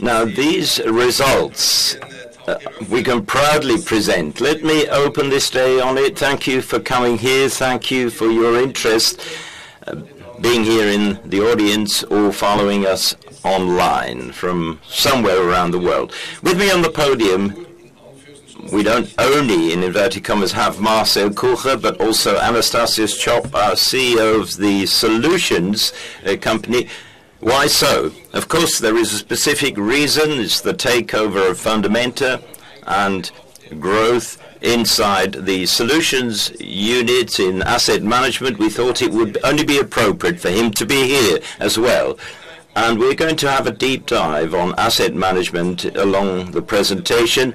Now, these results we can proudly present. Let me open this day on it. Thank you for coming here. Thank you for your interest being here in the audience or following us online from somewhere around the world. With me on the podium, we don't only, in inverted commas, have Marcel Kucher, but also Anastasios Tschopp, our CEO of the solutions company. Why so? Of course, there is a specific reason. It's the takeover of Fundamenta and growth inside the solutions unit in asset management. We thought it would only be appropriate for him to be here as well, and we're going to have a deep dive on asset management along the presentation.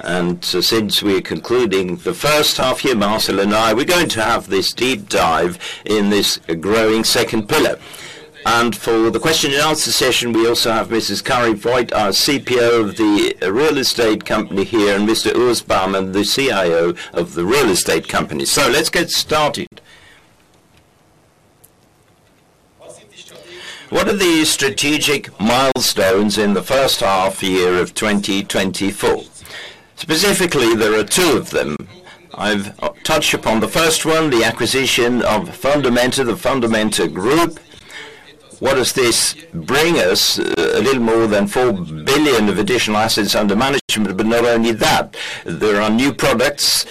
And so since we're concluding the first half year, Marcel and I, we're going to have this deep dive in this growing second pillar. For the question and answer session, we also have Mrs. Karin Voigt, our CPO of the real estate company here, and Mr. Urs Baumann, the CIO of the real estate company. So let's get started. What are the strategic milestones in the first half year of 2024? Specifically, there are two of them. I've touched upon the first one, the acquisition of Fundamenta, the Fundamenta Group. What does this bring us? A little more than four billion of additional assets under management, but not only that, there are new products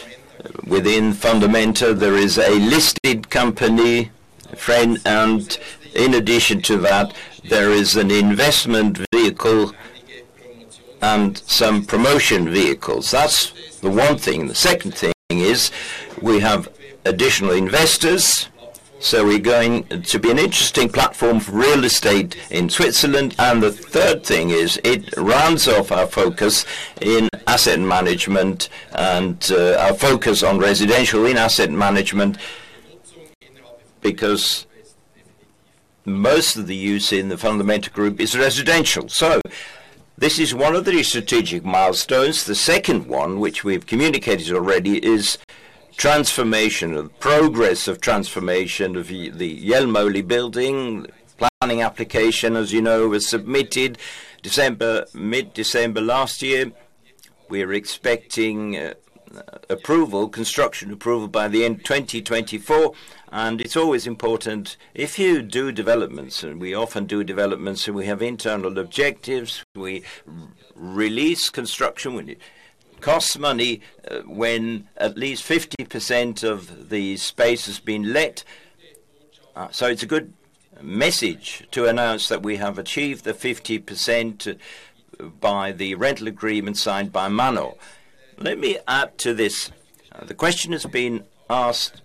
within Fundamenta. There is a listed company, FREN, and in addition to that, there is an investment vehicle and some platform vehicles. That's the one thing. The second thing is, we have additional investors, so we're going to be an interesting platform for real estate in Switzerland. The third thing is, it rounds off our focus in asset management and our focus on residential in asset management, because most of the use in the Fundamenta Group is residential. This is one of the strategic milestones. The second one, which we've communicated already, is progress of transformation of the Jelmoli building. Planning application, as you know, was submitted mid-December last year. We're expecting construction approval by the end of 2024, and it's always important if you do developments, and we often do developments, and we have internal objectives, we release construction. It costs money when at least 50% of the space has been let. It's a good message to announce that we have achieved the 50% by the rental agreement signed by Manor. Let me add to this. The question has been asked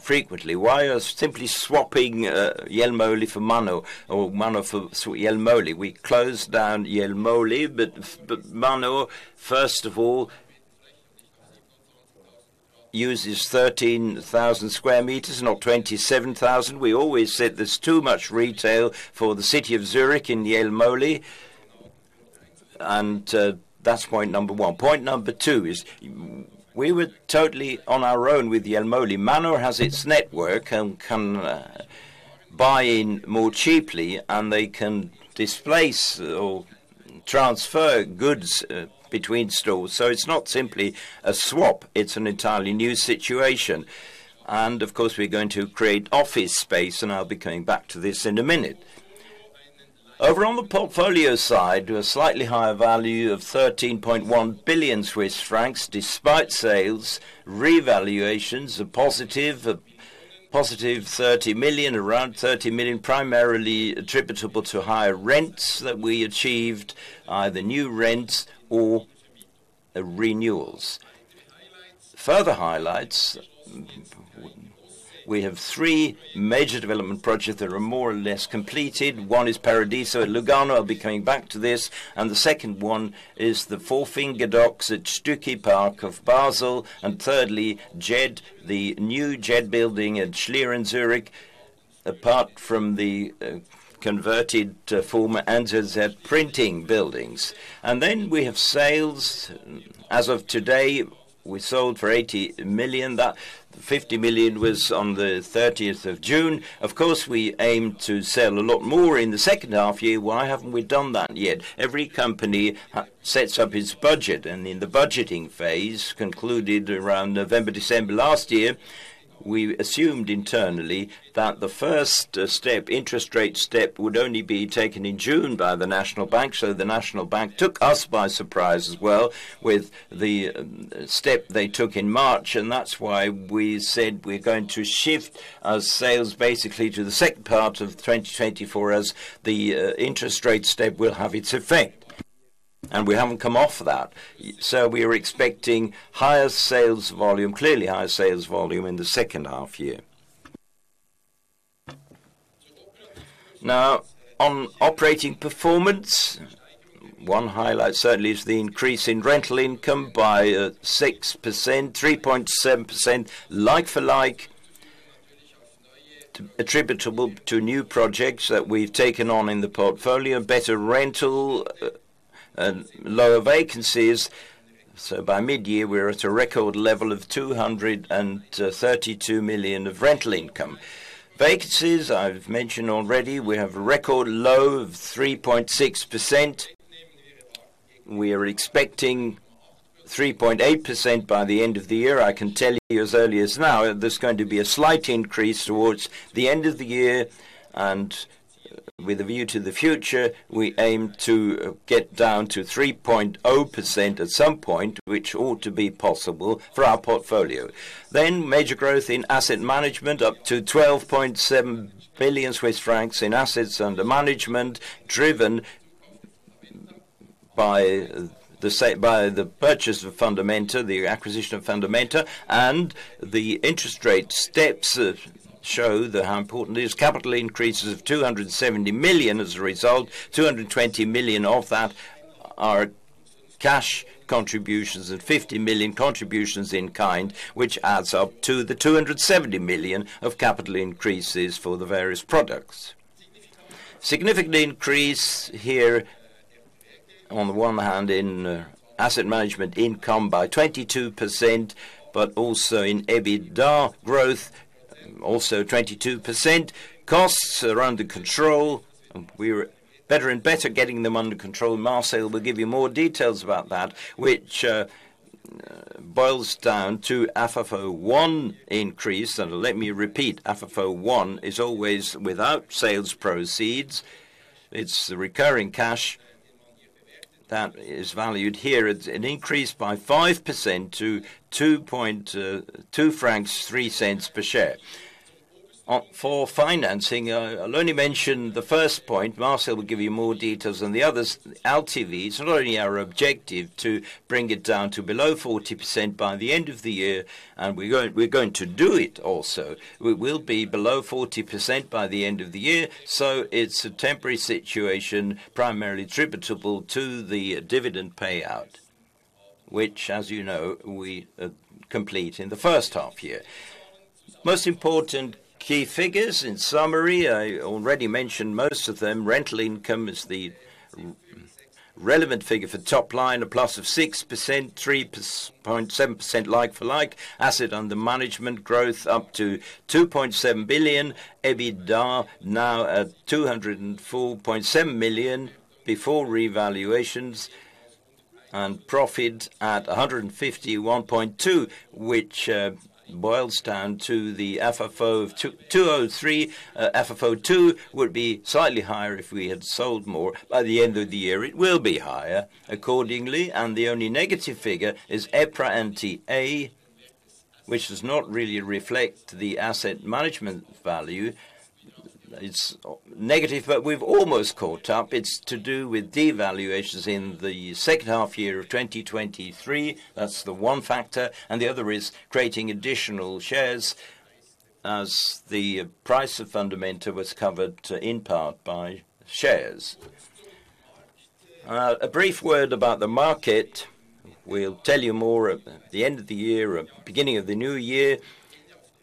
frequently, why are simply swapping Jelmoli for Manor or Manor for Jelmoli? We closed down Jelmoli, but Manor, first of all, uses 13,000 square meters, not 27,000. We always said there's too much retail for the city of Zurich in Jelmoli, and that's point number one. Point number two is, we were totally on our own with Jelmoli. Manor has its network and can buy in more cheaply, and they can displace or transfer goods between stores. So it's not simply a swap, it's an entirely new situation. And of course, we're going to create office space, and I'll be coming back to this in a minute. Over on the portfolio side, a slightly higher value of 13.1 billion Swiss francs, despite sales. Revaluations are positive. A positive 30 million, around 30 million, primarily attributable to higher rents that we achieved, either new rents or, renewals. Further highlights, we have three major development projects that are more or less completed. One is Paradiso at Lugano. I'll be coming back to this. The second one is the Four Finger Docks at Stucki Park of Basel. Thirdly, JED, the new JED building at Schlieren, Zurich, apart from the, converted former NZZ printing buildings. Then we have sales. As of today, we sold for 80 million. That 50 million was on the 30th of June. Of course, we aim to sell a lot more in the second half year. Why haven't we done that yet? Every company sets up its budget, and in the budgeting phase, concluded around November, December last year, we assumed internally that the first step, interest rate step, would only be taken in June by the National Bank. So the National Bank took us by surprise as well with the step they took in March, and that's why we said we're going to shift our sales basically to the second part of 2024, as the interest rate step will have its effect, and we haven't come off that. So we are expecting higher sales volume, clearly higher sales volume in the second half year. Now, on operating performance, one highlight certainly is the increase in rental income by 6%, 3.7% like for like, attributable to new projects that we've taken on in the portfolio, better rental and lower vacancies. So by mid-year, we're at a record level of 232 million of rental income. Vacancies, I've mentioned already, we have a record low of 3.6%. We are expecting 3.8% by the end of the year. I can tell you as early as now, there's going to be a slight increase towards the end of the year, and with a view to the future, we aim to get down to 3.0% at some point, which ought to be possible for our portfolio. Then major growth in asset management, up to 12.7 billion Swiss francs in assets under management, driven by the purchase of Fundamenta, the acquisition of Fundamenta, and the interest rate steps that show that how important it is. Capital increases of 270 million as a result, 220 million of that are cash contributions, and 50 million contributions in kind, which adds up to the 270 million of capital increases for the various products. Significant increase here, on the one hand, in asset management income by 22%, but also in EBITDA growth, also 22%. Costs are under control. We're better and better getting them under control. Marcel will give you more details about that, which boils down to FFO I increase, and let me repeat, FFO I is always without sales proceeds. It's the recurring cash that is valued here. It's an increase by 5% to 2.23 francs per share. For financing, I'll only mention the first point. Marcel will give you more details on the others. LTV, it's not only our objective to bring it down to below 40% by the end of the year, and we're going to do it also. We will be below 40% by the end of the year, so it's a temporary situation, primarily attributable to the dividend payout, which, as you know, we complete in the first half year. Most important key figures, in summary, I already mentioned most of them. Rental income is the relevant figure for top line, a plus of 6%, 3.7% like-for-like. Assets under management growth up to 2.7 billion. EBITDA, now at 204.7 million before revaluations, and profit at 151.2, which boils down to the FFO of 203. FFO II would be slightly higher if we had sold more. By the end of the year, it will be higher accordingly, and the only negative figure is EPRA NTA, which does not really reflect the asset management value. It's negative, but we've almost caught up. It's to do with devaluations in the second half of 2023. That's the one factor, and the other is creating additional shares as the price of Fundamenta was covered in part by shares. A brief word about the market. We'll tell you more at the end of the year or beginning of the new year,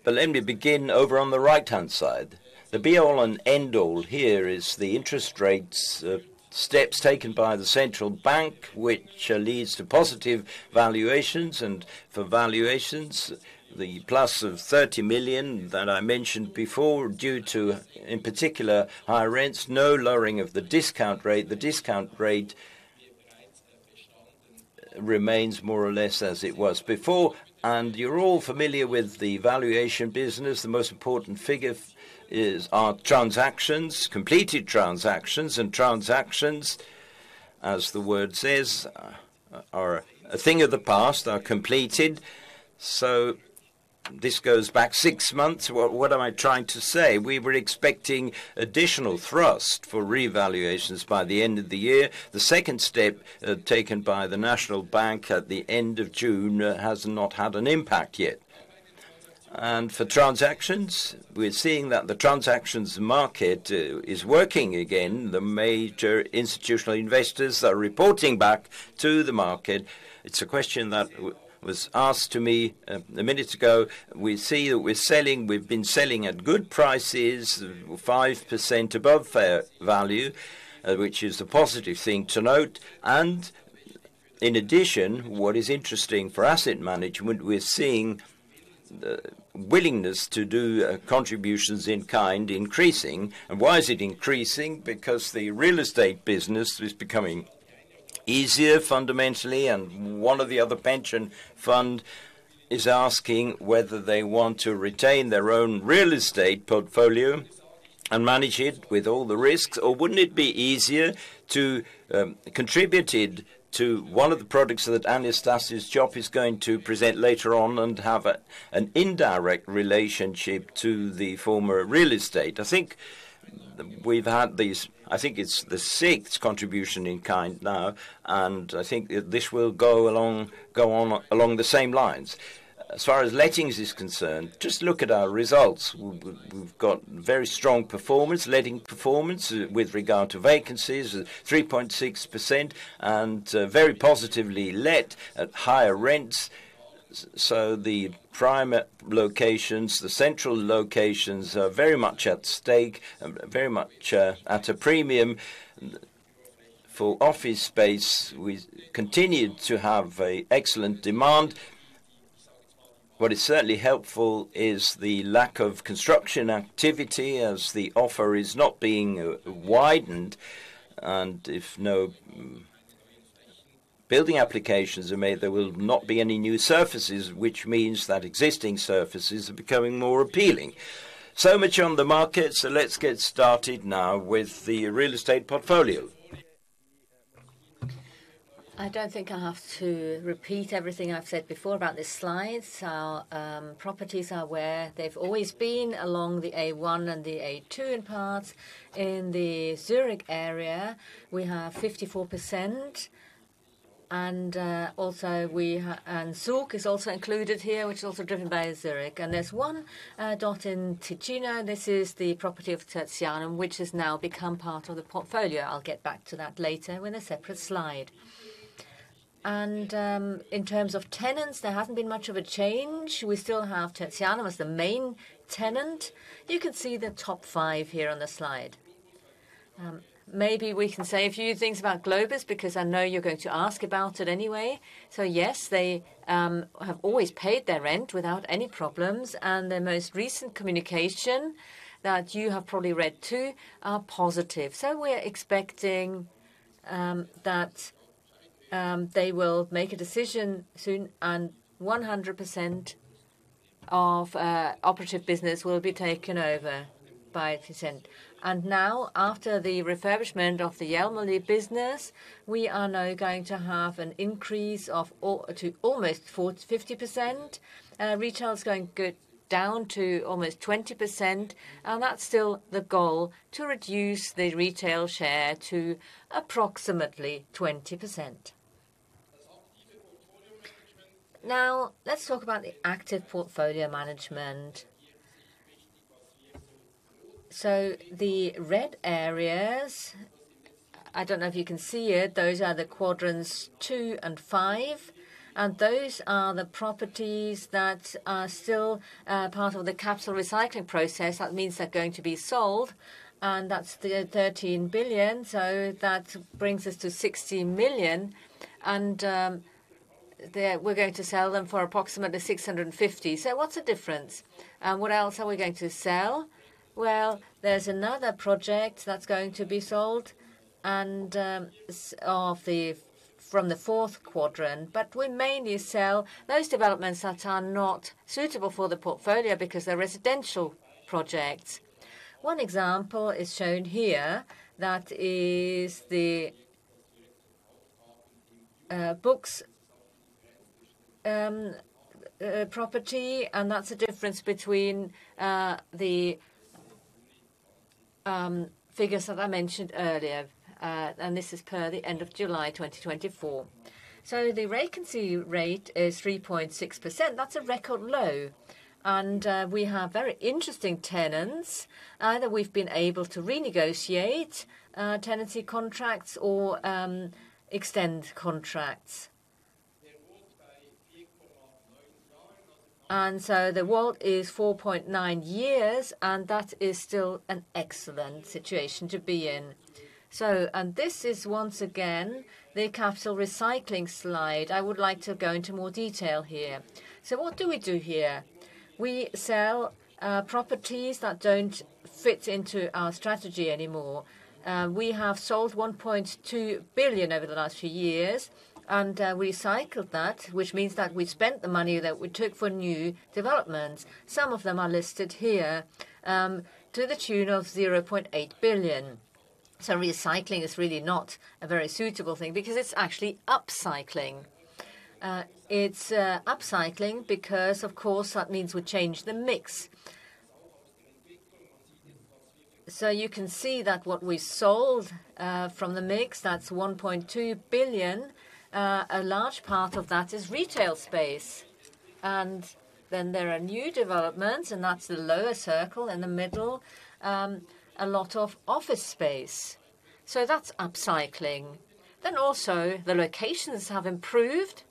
but let me begin over on the right-hand side. The be-all and end-all here is the interest rates, steps taken by the central bank, which leads to positive valuations. For valuations, the plus of 30 million that I mentioned before, due to, in particular, higher rents, no lowering of the discount rate. The discount rate remains more or less as it was before, and you're all familiar with the valuation business. The most important figure is... are transactions, completed transactions, and transactions, as the word says, are a thing of the past, are completed. So this goes back six months. What am I trying to say? We were expecting additional thrust for revaluations by the end of the year. The second step taken by the Swiss National Bank at the end of June has not had an impact yet. For transactions, we're seeing that the transactions market is working again. The major institutional investors are reporting back to the market. It's a question that was asked to me a minute ago. We see that we're selling. We've been selling at good prices, 5% above fair value, which is a positive thing to note. And in addition, what is interesting for asset management, we're seeing the willingness to do contributions in kind increasing. And why is it increasing? Because the real estate business is becoming easier fundamentally, and one of the other pension fund is asking whether they want to retain their own real estate portfolio and manage it with all the risks, or wouldn't it be easier to contribute it to one of the products that Anastasius's job is going to present later on and have an indirect relationship to the former real estate? I think we've had these. I think it's the sixth contribution in kind now, and I think that this will go on along the same lines. As far as lettings is concerned, just look at our results. We've got very strong performance, letting performance with regard to vacancies at 3.6% and very positively let at higher rents. So the prime locations, the central locations, are very much at stake and very much at a premium. For office space, we continued to have excellent demand. What is certainly helpful is the lack of construction activity, as the offer is not being widened, and if no building applications are made, there will not be any new surfaces, which means that existing surfaces are becoming more appealing. So much on the market, so let's get started now with the real estate portfolio. I don't think I have to repeat everything I've said before about this slide. So, properties are where they've always been, along the A1 and the A2 in parts. In the Zurich area, we have 54%, and also Zug is also included here, which is also driven by Zurich. There's one dot in Ticino. This is the property of Tertianum, which has now become part of the portfolio. I'll get back to that later in a separate slide. In terms of tenants, there hasn't been much of a change. We still have Tertianum as the main tenant. You can see the top five here on the slide. Maybe we can say a few things about Globus, because I know you're going to ask about it anyway. Yes, they have always paid their rent without any problems, and their most recent communication, that you have probably read too, are positive. We're expecting that they will make a decision soon, and 100% of operative business will be taken over by Tertianum. Now, after the refurbishment of the Jelmoli business, we are now going to have an increase to almost 40-50%. Retail is going to go down to almost 20%, and that's still the goal, to reduce the retail share to approximately 20%. Now, let's talk about the active portfolio management. The red areas, I don't know if you can see it, those are the quadrants 2 and 5, and those are the properties that are still part of the capital recycling process. That means they're going to be sold, and that's the 13 billion. So that brings us to 16 million, and they. We're going to sell them for approximately 650. So what's the difference? And what else are we going to sell? Well, there's another project that's going to be sold, and from the fourth quarter, but we mainly sell those developments that are not suitable for the portfolio because they're residential projects. One example is shown here, that is the Buchs property, and that's the difference between the figures that I mentioned earlier, and this is per the end of July 2024. So the vacancy rate is 3.6%. That's a record low. And we have very interesting tenants, either we've been able to renegotiate tenancy contracts or extend contracts. And so the WALT is 4.9 years, and that is still an excellent situation to be in. So... And this is once again, the capital recycling slide. I would like to go into more detail here. So what do we do here? We sell properties that don't fit into our strategy anymore. We have sold 1.2 billion over the last few years, and recycled that, which means that we spent the money that we took for new developments. Some of them are listed here, to the tune of 0.8 billion. So recycling is really not a very suitable thing because it's actually upcycling. It's upcycling because, of course, that means we change the mix. So you can see that what we sold from the mix, that's 1.2 billion, a large part of that is retail space. And then there are new developments, and that's the lower circle in the middle, a lot of office space. So that's upcycling. Then also, the locations have improved,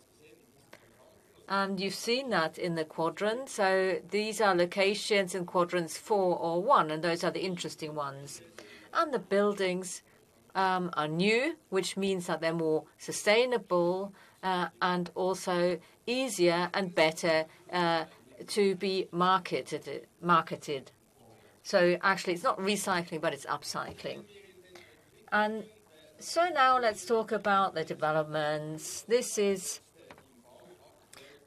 and you've seen that in the quadrants. So these are locations in quadrants four or one, and those are the interesting ones. And the buildings are new, which means that they're more sustainable and also easier and better to be marketed. So actually, it's not recycling, but it's upcycling. And so now let's talk about the developments. This is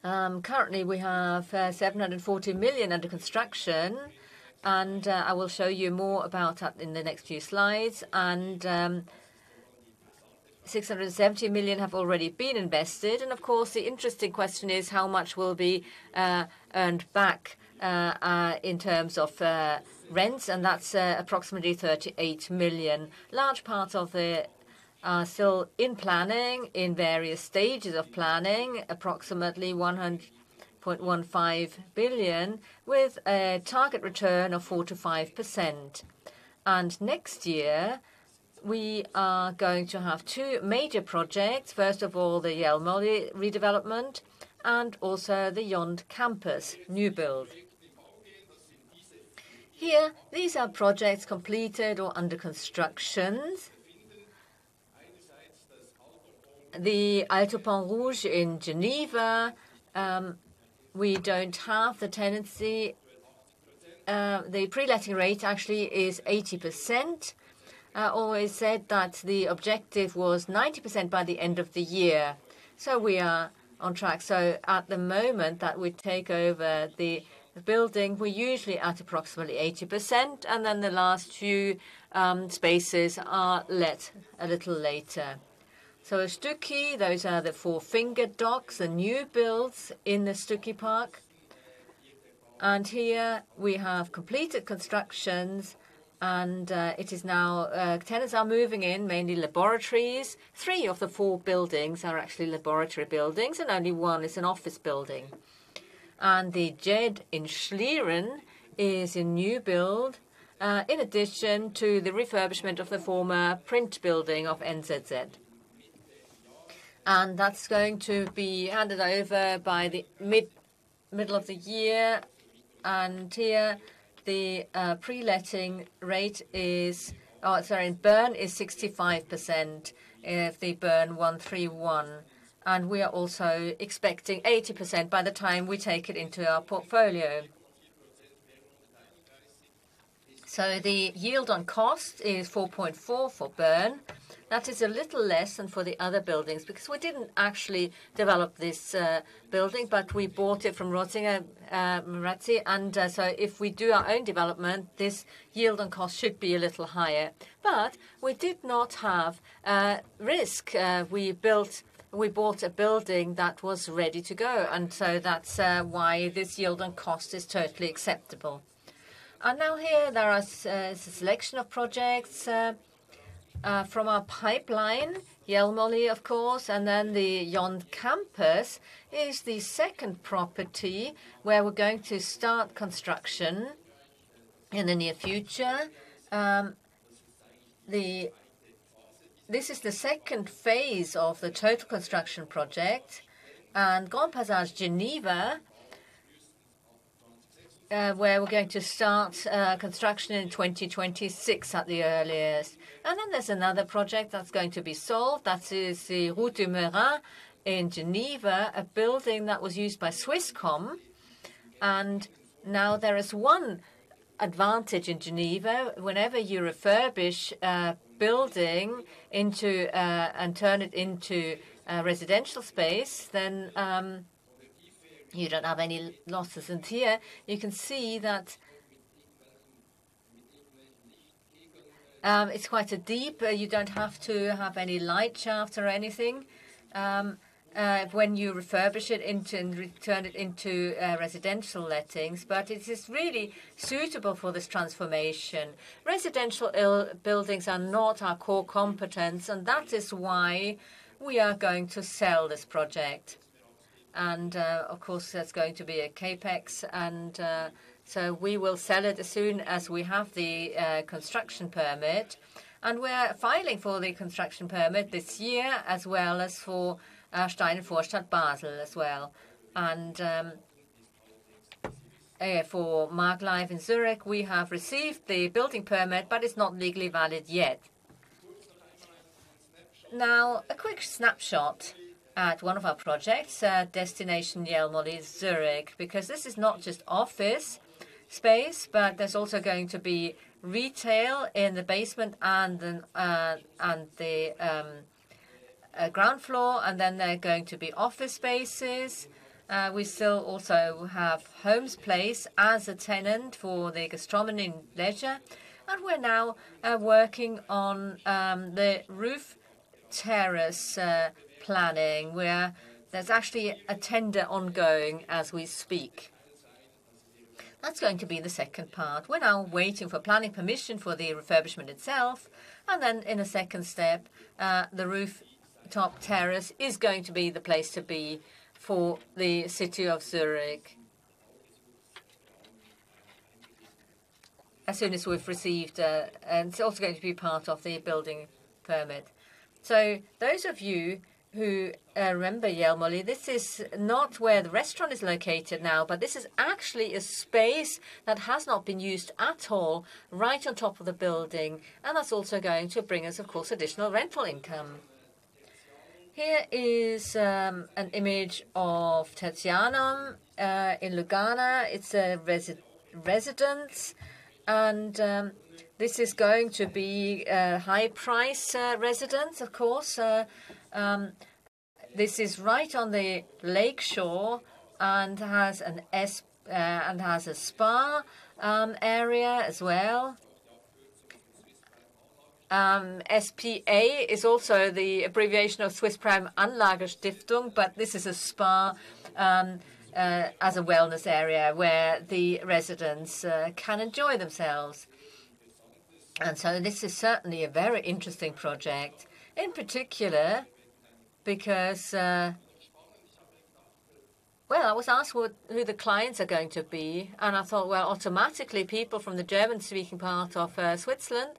currently we have 740 million under construction, and I will show you more about that in the next few slides. 670 million have already been invested. Of course, the interesting question is how much will be earned back in terms of rents, and that's approximately 38 million. Large parts of it are still in planning, in various stages of planning, approximately 100.15 billion, with a target return of 4%-5%. Next year, we are going to have two major projects. First of all, the Jelmoli redevelopment, and also the YOND Campus new build. Here, these are projects completed or under construction. The Alto Pont Rouge in Geneva, we don't have the tenancy. The pre-letting rate actually is 80%. I always said that the objective was 90% by the end of the year, so we are on track. So at the moment that we take over the building, we're usually at approximately 80%, and then the last few spaces are let a little later. So at Stucki, those are the four finger docks and new builds in the Stucki Park. And here we have completed constructions, and now tenants are moving in, mainly laboratories. Three of the four buildings are actually laboratory buildings, and only one is an office building. And the JED in Schlieren is a new build in addition to the refurbishment of the former print building of NZZ. And that's going to be handed over by the middle of the year, and here the pre-letting rate is... Oh, sorry, in Bern is 65%, the BERN 131, and we are also expecting 80% by the time we take it into our portfolio. So the yield on cost is 4.4 for Bern. That is a little less than for the other buildings because we didn't actually develop this building, but we bought it from Losinger Marazzi. And so if we do our own development, this yield on cost should be a little higher. But we did not have risk. We bought a building that was ready to go, and so that's why this yield on cost is totally acceptable. And now here there is a selection of projects from our pipeline, Jelmoli, of course, and then the YOND Campus is the second property where we're going to start construction in the near future. This is the second phase of the total construction project, and Grand-Passage, Geneva, where we're going to start construction in 2026 at the earliest. Then there's another project that's going to be sold, that is the Route de Meyrin in Geneva, a building that was used by Swisscom. Now there is one advantage in Geneva. Whenever you refurbish a building into a, and turn it into a residential space, then you don't have any losses. Here you can see that it's quite a deep, you don't have to have any light shaft or anything, when you refurbish it into, and turn it into residential lettings, but it is really suitable for this transformation. Residential buildings are not our core competence, and that is why we are going to sell this project. And, of course, there's going to be a CapEx, and so we will sell it as soon as we have the construction permit. And we're filing for the construction permit this year, as well as for Steinenvorstadt, Basel, as well. And for Maaglive in Zurich, we have received the building permit, but it's not legally valid yet. Now, a quick snapshot at one of our projects, Destination Jelmoli, Zurich, because this is not just office space, but there's also going to be retail in the basement and the ground floor, and then there are going to be office spaces. We still also have Holmes Place as a tenant for the gastronomy leisure, and we're now working on the roof terrace planning, where there's actually a tender ongoing as we speak. That's going to be the second part. We're now waiting for planning permission for the refurbishment itself, and then in the second step, the roof top terrace is going to be the place to be for the city of Zurich. As soon as we've received... and it's also going to be part of the building permit. So those of you who remember Jelmoli, this is not where the restaurant is located now, but this is actually a space that has not been used at all, right on top of the building, and that's also going to bring us, of course, additional rental income. Here is an image of Tertianum in Lugano. It's a residence, and this is going to be a high-price residence, of course. This is right on the lakeshore and has an SPA. And has a spa area as well. SPA is also the abbreviation of Swiss Prime Anlagestiftung, but this is a spa as a wellness area where the residents can enjoy themselves. And so this is certainly a very interesting project, in particular, because... Yeah, I was asked what, who the clients are going to be, and I thought, well, automatically, people from the German-speaking part of Switzerland.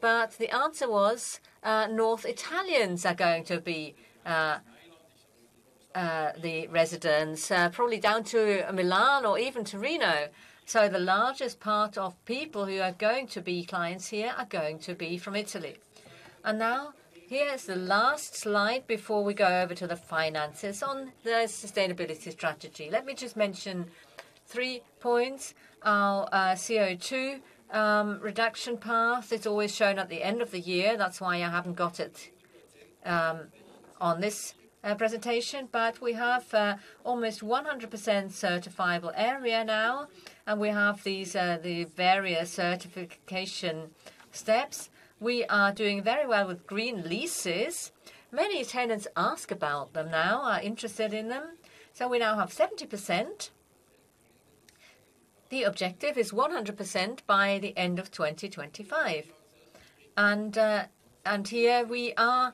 But the answer was, North Italians are going to be the residents, probably down to Milan or even Torino. So the largest part of people who are going to be clients here are going to be from Italy. And now, here is the last slide before we go over to the finances on the sustainability strategy. Let me just mention three points. Our CO2 reduction path is always shown at the end of the year. That's why I haven't got it on this presentation. But we have almost 100% certifiable area now, and we have these the various certification steps. We are doing very well with green leases. Many tenants ask about them now, are interested in them, so we now have 70%. The objective is 100% by the end of 2025. And here we are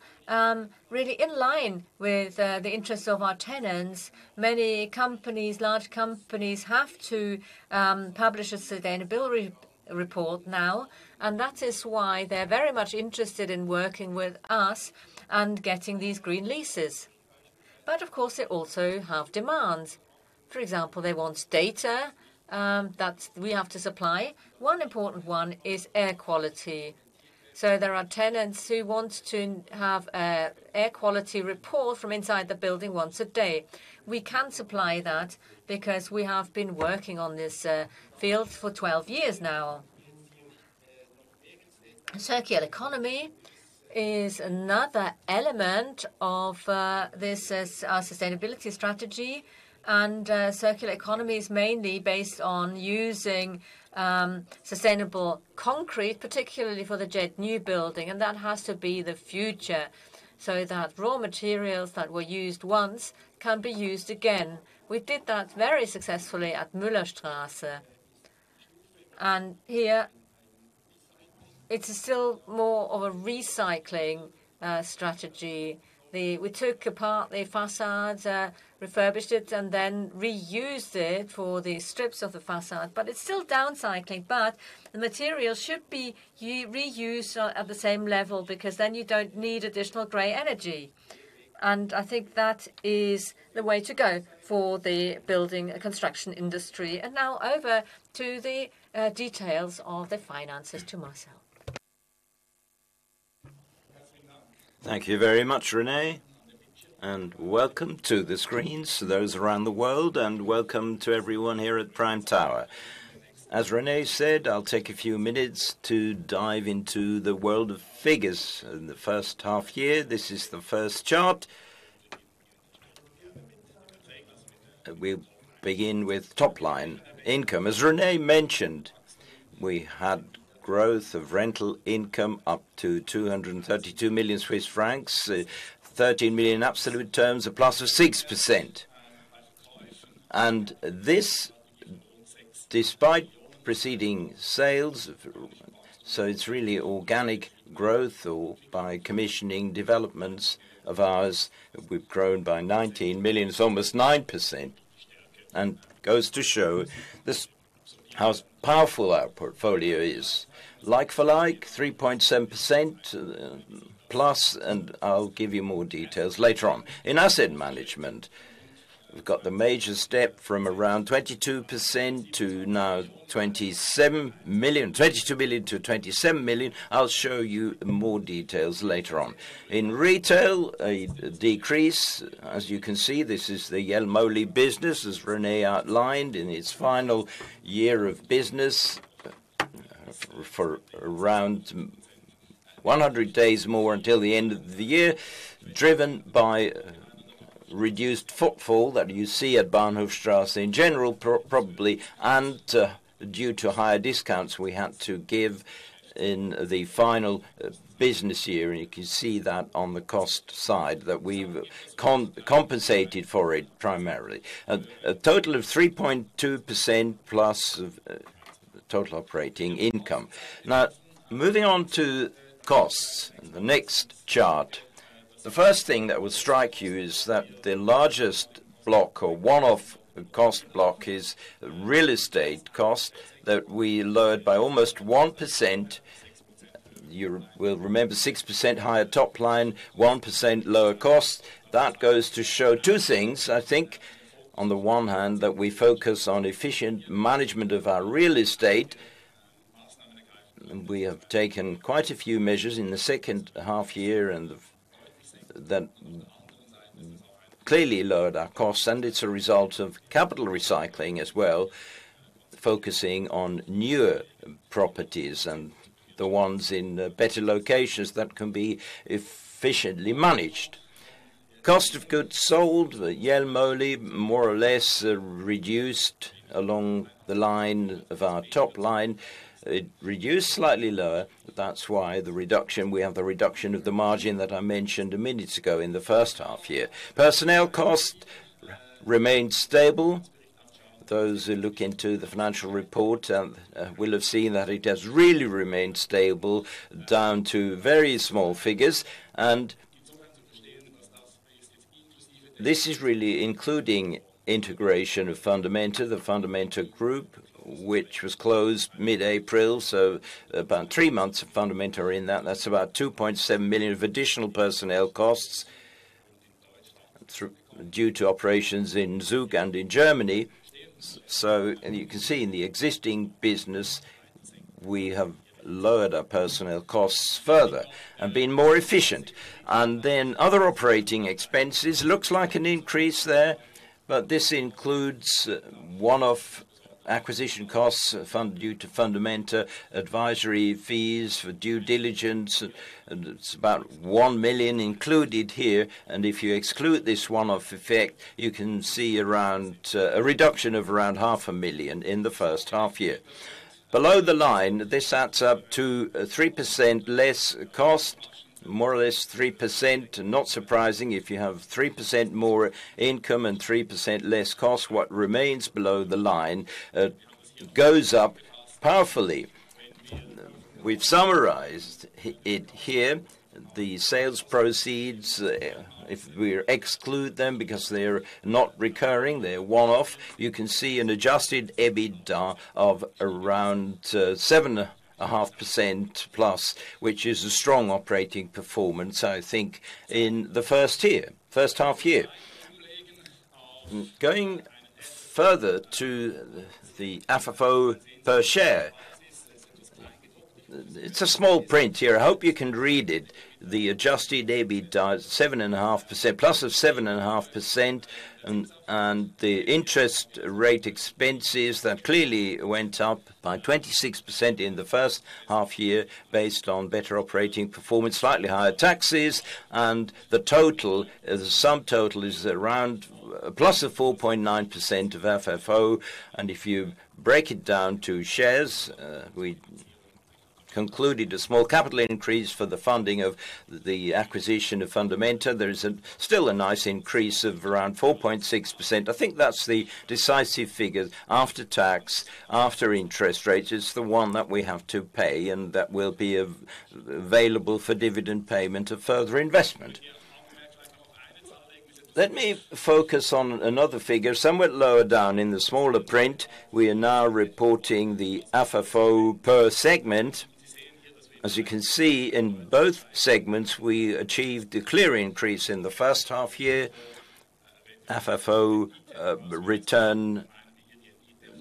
really in line with the interests of our tenants. Many companies, large companies, have to publish a sustainability report now, and that is why they're very much interested in working with us and getting these green leases. But of course, they also have demands. For example, they want data that we have to supply. One important one is air quality. There are tenants who want to have an air quality report from inside the building once a day. We can supply that because we have been working on this field for 12 years now. Circular economy is another element of this sustainability strategy, and circular economy is mainly based on using sustainable concrete, particularly for the JED new building, and that has to be the future, so that raw materials that were used once can be used again. We did that very successfully at Müllerstrasse. Here it is still more of a recycling strategy. We took apart the facades, refurbished it, and then reused it for the strips of the facade, but it's still downcycling. But the material should be reused at the same level because then you don't need additional gray energy, and I think that is the way to go for the building and construction industry. And now over to the details of the finances, to Marcel. Thank you very much, René, and welcome to the screens, those around the world, and welcome to everyone here at Prime Tower. As René said, I'll take a few minutes to dive into the world of figures in the first half year. This is the first chart. We begin with top line income. As René mentioned, we had growth of rental income up to 232 million Swiss francs, thirteen million in absolute terms, a plus of 6%. And this, despite preceding sales, so it's really organic growth or by commissioning developments of ours, we've grown by 19 million, so almost 9%, and goes to show just how powerful our portfolio is. Like-for-like, 3.7%, plus, and I'll give you more details later on. In asset management, we've got the major step from around 22% to now 27 million, 22 million to 27 million. I'll show you more details later on. In retail, a decrease. As you can see, this is the Jelmoli business, as René outlined, in its final year of business, around 100 days more until the end of the year, driven by reduced footfall that you see at Bahnhofstrasse in general, probably, and due to higher discounts we had to give in the final business year. And you can see that on the cost side, that we've compensated for it primarily. A total of 3.2% plus of total operating income. Now, moving on to costs, the next chart. The first thing that will strike you is that the largest block or one-off cost block is real estate cost that we lowered by almost 1%. You will remember 6% higher top line, 1% lower cost. That goes to show two things, I think. On the one hand, that we focus on efficient management of our real estate, and we have taken quite a few measures in the second half year, and that clearly lowered our costs, and it's a result of capital recycling as well, focusing on newer properties and the ones in better locations that can be efficiently managed. Cost of goods sold, Jelmoli more or less reduced along the line of our top line. It reduced slightly lower, but that's why the reduction, we have the reduction of the margin that I mentioned a minute ago in the first half year. Personnel cost remained stable. Those who look into the financial report will have seen that it has really remained stable down to very small figures. And this is really including integration of Fundamenta, the Fundamenta Group, which was closed mid-April, so about three months of Fundamenta are in that. That's about 2.7 million of additional personnel costs due to operations in Zug and in Germany. So, and you can see in the existing business, we have lowered our personnel costs further and been more efficient. And then other operating expenses, looks like an increase there, but this includes one-off acquisition costs due to Fundamenta, advisory fees for due diligence, and it's about 1 million included here. And if you exclude this one-off effect, you can see around a reduction of around 500,000 in the first half year. Below the line, this adds up to 3% less cost, more or less 3%. Not surprising, if you have 3% more income and 3% less cost, what remains below the line goes up powerfully. We've summarized it here, the sales proceeds. If we exclude them because they're not recurring, they're one-off, you can see an adjusted EBITDA of around 7.5% plus, which is a strong operating performance, I think, in the first year, first half year. Going further to the FFO per share, it's a small print here. I hope you can read it. The adjusted EBITDA is 7.5%, plus of 7.5%, and the interest rate expenses, that clearly went up by 26% in the first half year based on better operating performance, slightly higher taxes. And the total, the subtotal, is around plus 4.9% of FFO. And if you break it down to shares, we concluded a small capital increase for the funding of the acquisition of Fundamenta. There is still a nice increase of around 4.6%. I think that's the decisive figure after tax, after interest rate, is the one that we have to pay, and that will be available for dividend payment and further investment. Let me focus on another figure, somewhat lower down in the smaller print. We are now reporting the FFO per segment. As you can see, in both segments, we achieved a clear increase in the first half year. FFO return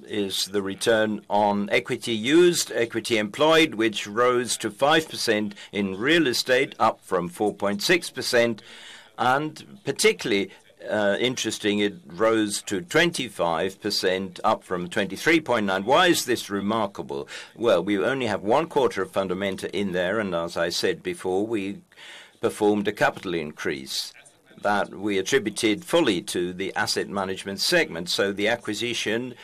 is the return on equity used, equity employed, which rose to 5% in real estate, up from 4.6%. Particularly interesting, it rose to 25%, up from 23.9%. Why is this remarkable? Well, we only have one quarter of Fundamenta in there, and as I said before, we performed a capital increase that we attributed fully to the asset management segment. So the acquisition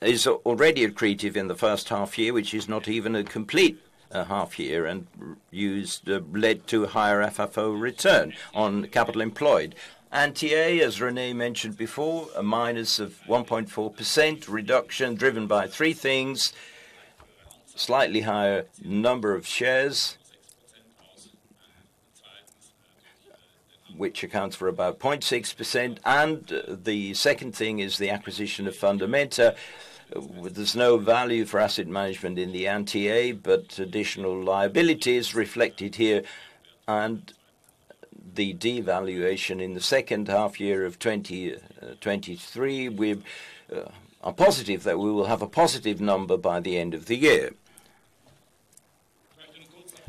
is already accretive in the first half year, which is not even a complete half year, and led to higher FFO return on capital employed. NTA, as René mentioned before, a minus of 1.4% reduction, driven by three things: slightly higher number of shares, which accounts for about 0.6%, and the second thing is the acquisition of Fundamenta. There's no value for asset management in the NTA, but additional liability is reflected here. And the devaluation in the second half year of 2023, we are positive that we will have a positive number by the end of the year.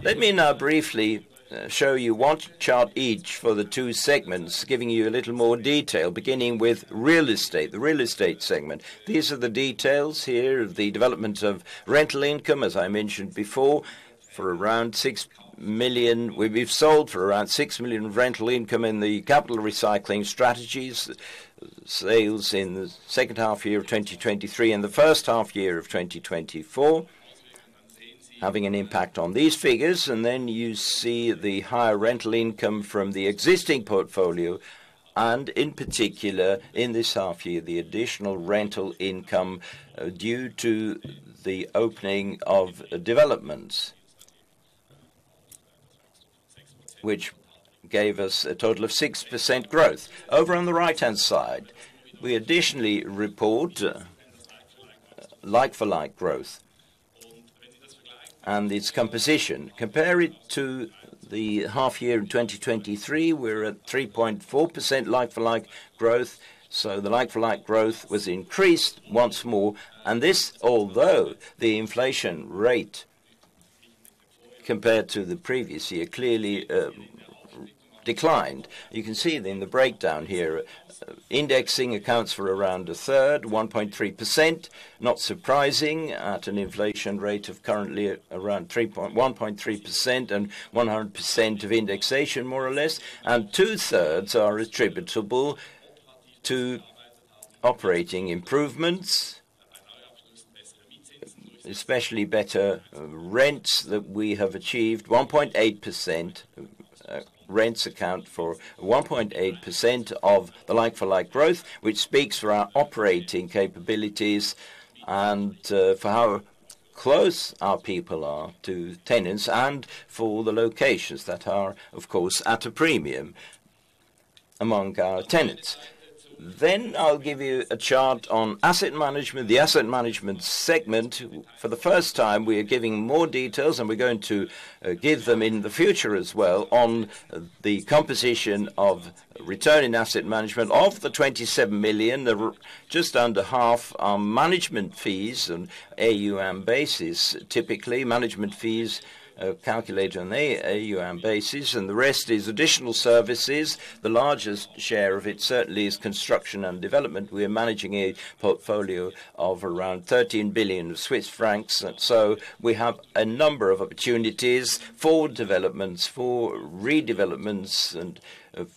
Let me now briefly show you one chart each for the two segments, giving you a little more detail, beginning with real estate, the real estate segment. These are the details here of the development of rental income, as I mentioned before. For around 6 million, we've sold for around 6 million of rental income in the capital recycling strategies, sales in the second half year of 2023 and the first half year of 2024, having an impact on these figures. You see the higher rental income from the existing portfolio, and in particular, in this half year, the additional rental income due to the opening of developments, which gave us a total of 6% growth. Over on the right-hand side, we additionally report like-for-like growth and its composition. Compare it to the half year in 2023, we're at 3.4% like-for-like growth. So the like-for-like growth was increased once more, and this, although the inflation rate compared to the previous year, clearly, declined. You can see it in the breakdown here. Indexing accounts for around a third, 1.3%. Not surprising, at an inflation rate of currently around one point three percent and 100% of indexation, more or less, and two-thirds are attributable to operating improvements, especially better rents that we have achieved, 1.8%. Rents account for 1.8% of the like-for-like growth, which speaks for our operating capabilities and for how close our people are to tenants and for the locations that are, of course, at a premium among our tenants. Then I'll give you a chart on asset management, the asset management segment. For the first time, we are giving more details, and we're going to give them in the future as well, on the composition of return in asset management. Of the 27 million, there were just under half are management fees on AUM basis. Typically, management fees are calculated on AUM basis, and the rest is additional services. The largest share of it certainly is construction and development. We are managing a portfolio of around 13 billion Swiss francs, and so we have a number of opportunities for developments, for redevelopments, and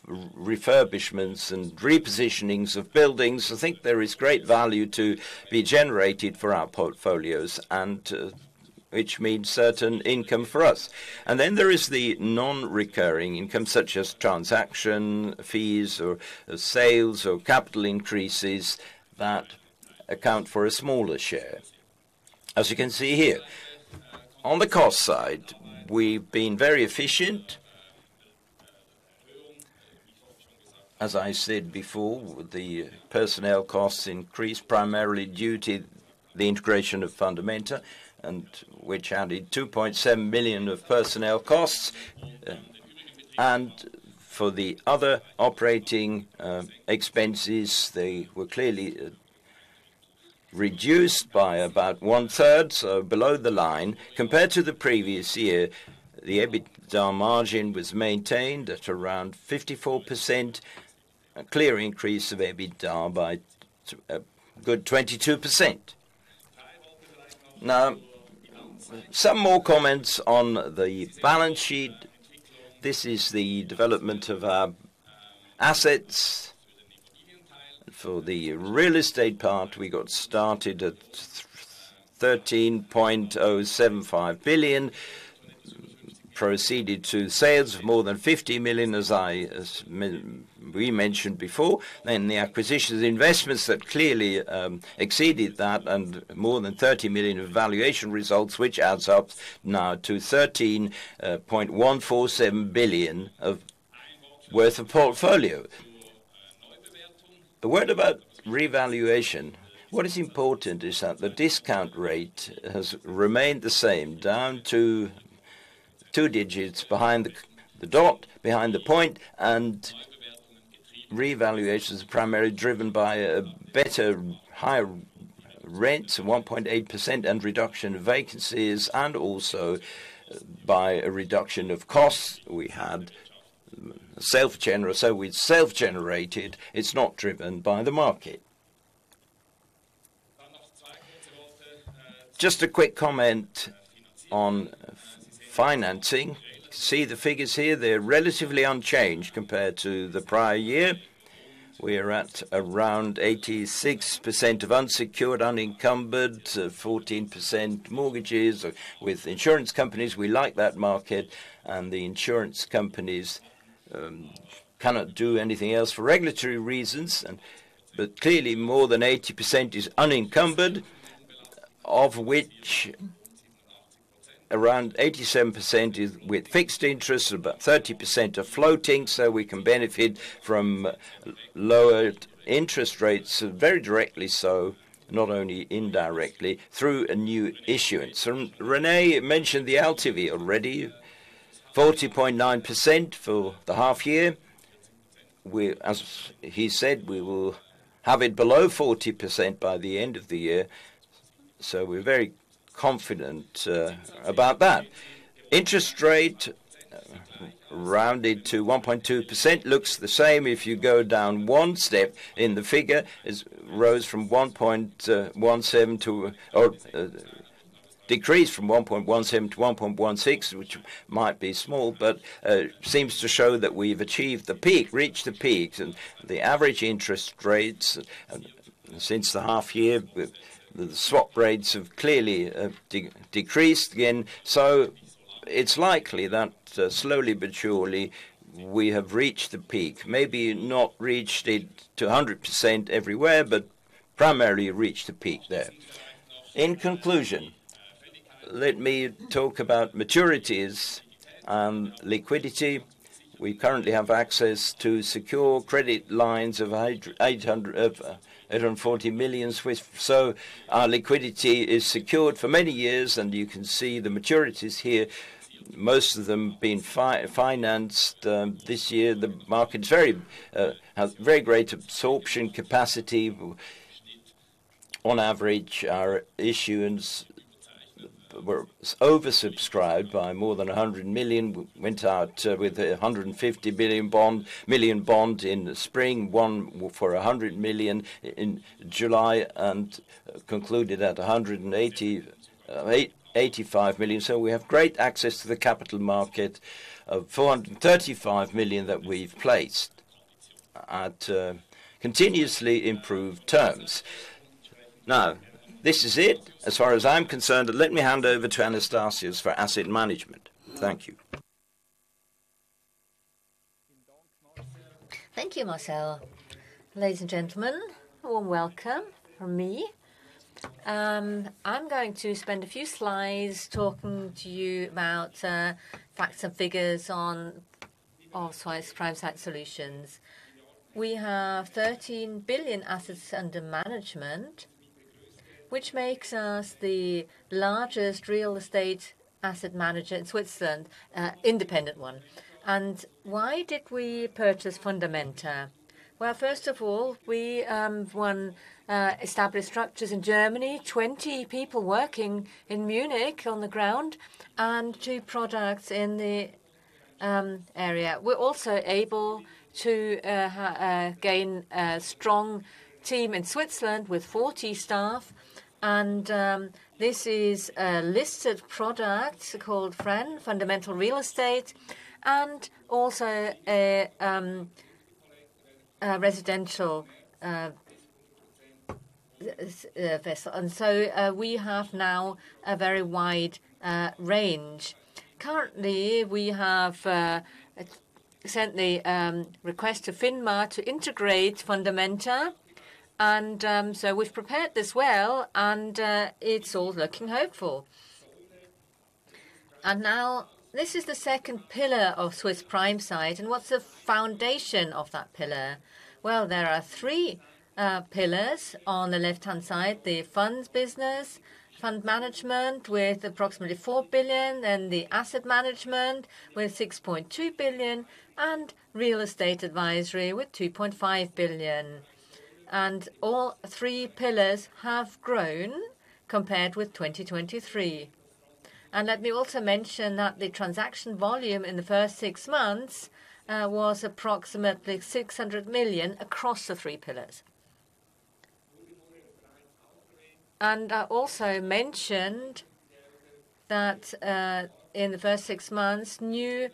refurbishments and repositionings of buildings. I think there is great value to be generated for our portfolios and which means certain income for us. And then there is the non-recurring income, such as transaction fees or sales or capital increases that account for a smaller share, as you can see here. On the cost side, we've been very efficient. As I said before, the personnel costs increased primarily due to the integration of Fundamenta, and which added 2.7 million of personnel costs. And for the other operating expenses, they were clearly reduced by about one-third, so below the line. Compared to the previous year, the EBITDA margin was maintained at around 54%, a clear increase of EBITDA by a good 22%. Now, some more comments on the balance sheet. This is the development of our assets. For the real estate part, we got started at 13.075 billion, proceeded to sales of more than 50 million, as we mentioned before. Then the acquisitions and investments that clearly exceeded that and more than 30 million of valuation results, which adds up now to 13.147 billion of worth of portfolio. A word about revaluation. What is important is that the discount rate has remained the same, down to two digits behind the decimal point, and revaluation is primarily driven by better higher rates of 1.8% and reduction in vacancies, and also by a reduction of costs. We had self-generated, so it's self-generated. It's not driven by the market. Just a quick comment on financing. See the figures here, they're relatively unchanged compared to the prior year. We are at around 86% unsecured, unencumbered, 14% mortgages. With insurance companies, we like that market, and the insurance companies cannot do anything else for regulatory reasons. But clearly, more than 80% is unencumbered, of which around 87% is with fixed interest, about 30% are floating, so we can benefit from lowered interest rates, very directly so, not only indirectly, through a new issuance. René mentioned the LTV already, 40.9% for the half year. We, as he said, will have it below 40% by the end of the year, so we're very confident about that. Interest rate, rounded to 1.2%, looks the same. If you go down one step in the figure, it decreased from 1.17% to 1.16%, which might be small, but seems to show that we've achieved the peak, reached the peak. The average interest rates since the half year, with the swap rates have clearly decreased again. It's likely that, slowly but surely, we have reached the peak. Maybe not reached it to 100% everywhere, but primarily reached the peak there. In conclusion, let me talk about maturities and liquidity. We currently have access to secure credit lines of 840 million. Our liquidity is secured for many years, and you can see the maturities here, most of them being financed this year. The market has very great absorption capacity. On average, our issuance were oversubscribed by more than 100 million. We went out with a 150 million bond in the spring, one for a 100 million in July, and concluded at a 185 million. So we have great access to the capital market of 435 million that we've placed at continuously improved terms. Now, this is it as far as I'm concerned, but let me hand over to Anastasius for asset management. Thank you. Thank you, Marcel. Ladies and gentlemen, a warm welcome from me. I'm going to spend a few slides talking to you about facts and figures on Swiss Prime Site Solutions. We have 13 billion assets under management, which makes us the largest real estate asset manager in Switzerland, independent one. And why did we purchase Fundamenta? Well, first of all, we wanted established structures in Germany, 20 people working in Munich on the ground, and two products in the area. We're also able to gain a strong team in Switzerland with 40 staff, and this is a listed product called FREN, Fundamenta Real Estate, and also a residential vehicle. And so, we have now a very wide range. Currently, we have sent the request to FINMA to integrate Fundamenta, and so we've prepared this well, and it's all looking hopeful. And now, this is the second pillar of Swiss Prime Site, and what's the foundation of that pillar? Well, there are three pillars. On the left-hand side, the funds business, fund management with approximately 4 billion, and the asset management with 6.2 billion, and real estate advisory with 2.5 billion. And all three pillars have grown compared with 2023. And let me also mention that the transaction volume in the first six months was approximately 600 million across the three pillars. And I also mentioned that in the first six months, new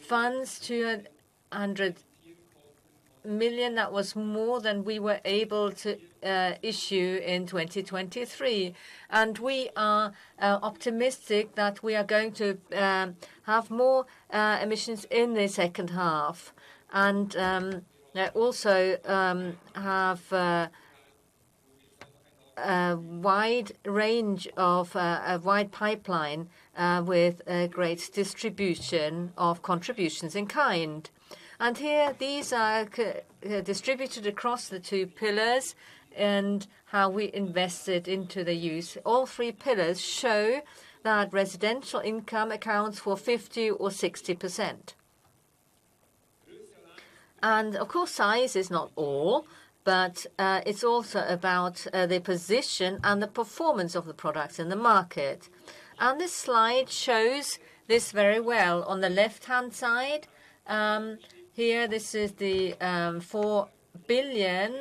funds to 100 million, that was more than we were able to issue in 2023. And we are optimistic that we are going to have more acquisitions in the second half, and also have a wide range of a wide pipeline with a great distribution of contributions in kind. And here, these are distributed across the two pillars and how we invested into the units. All three pillars show that residential income accounts for 50% or 60%. And of course, size is not all, but it's also about the position and the performance of the products in the market. And this slide shows this very well. On the left-hand side, here, this is the 4 billion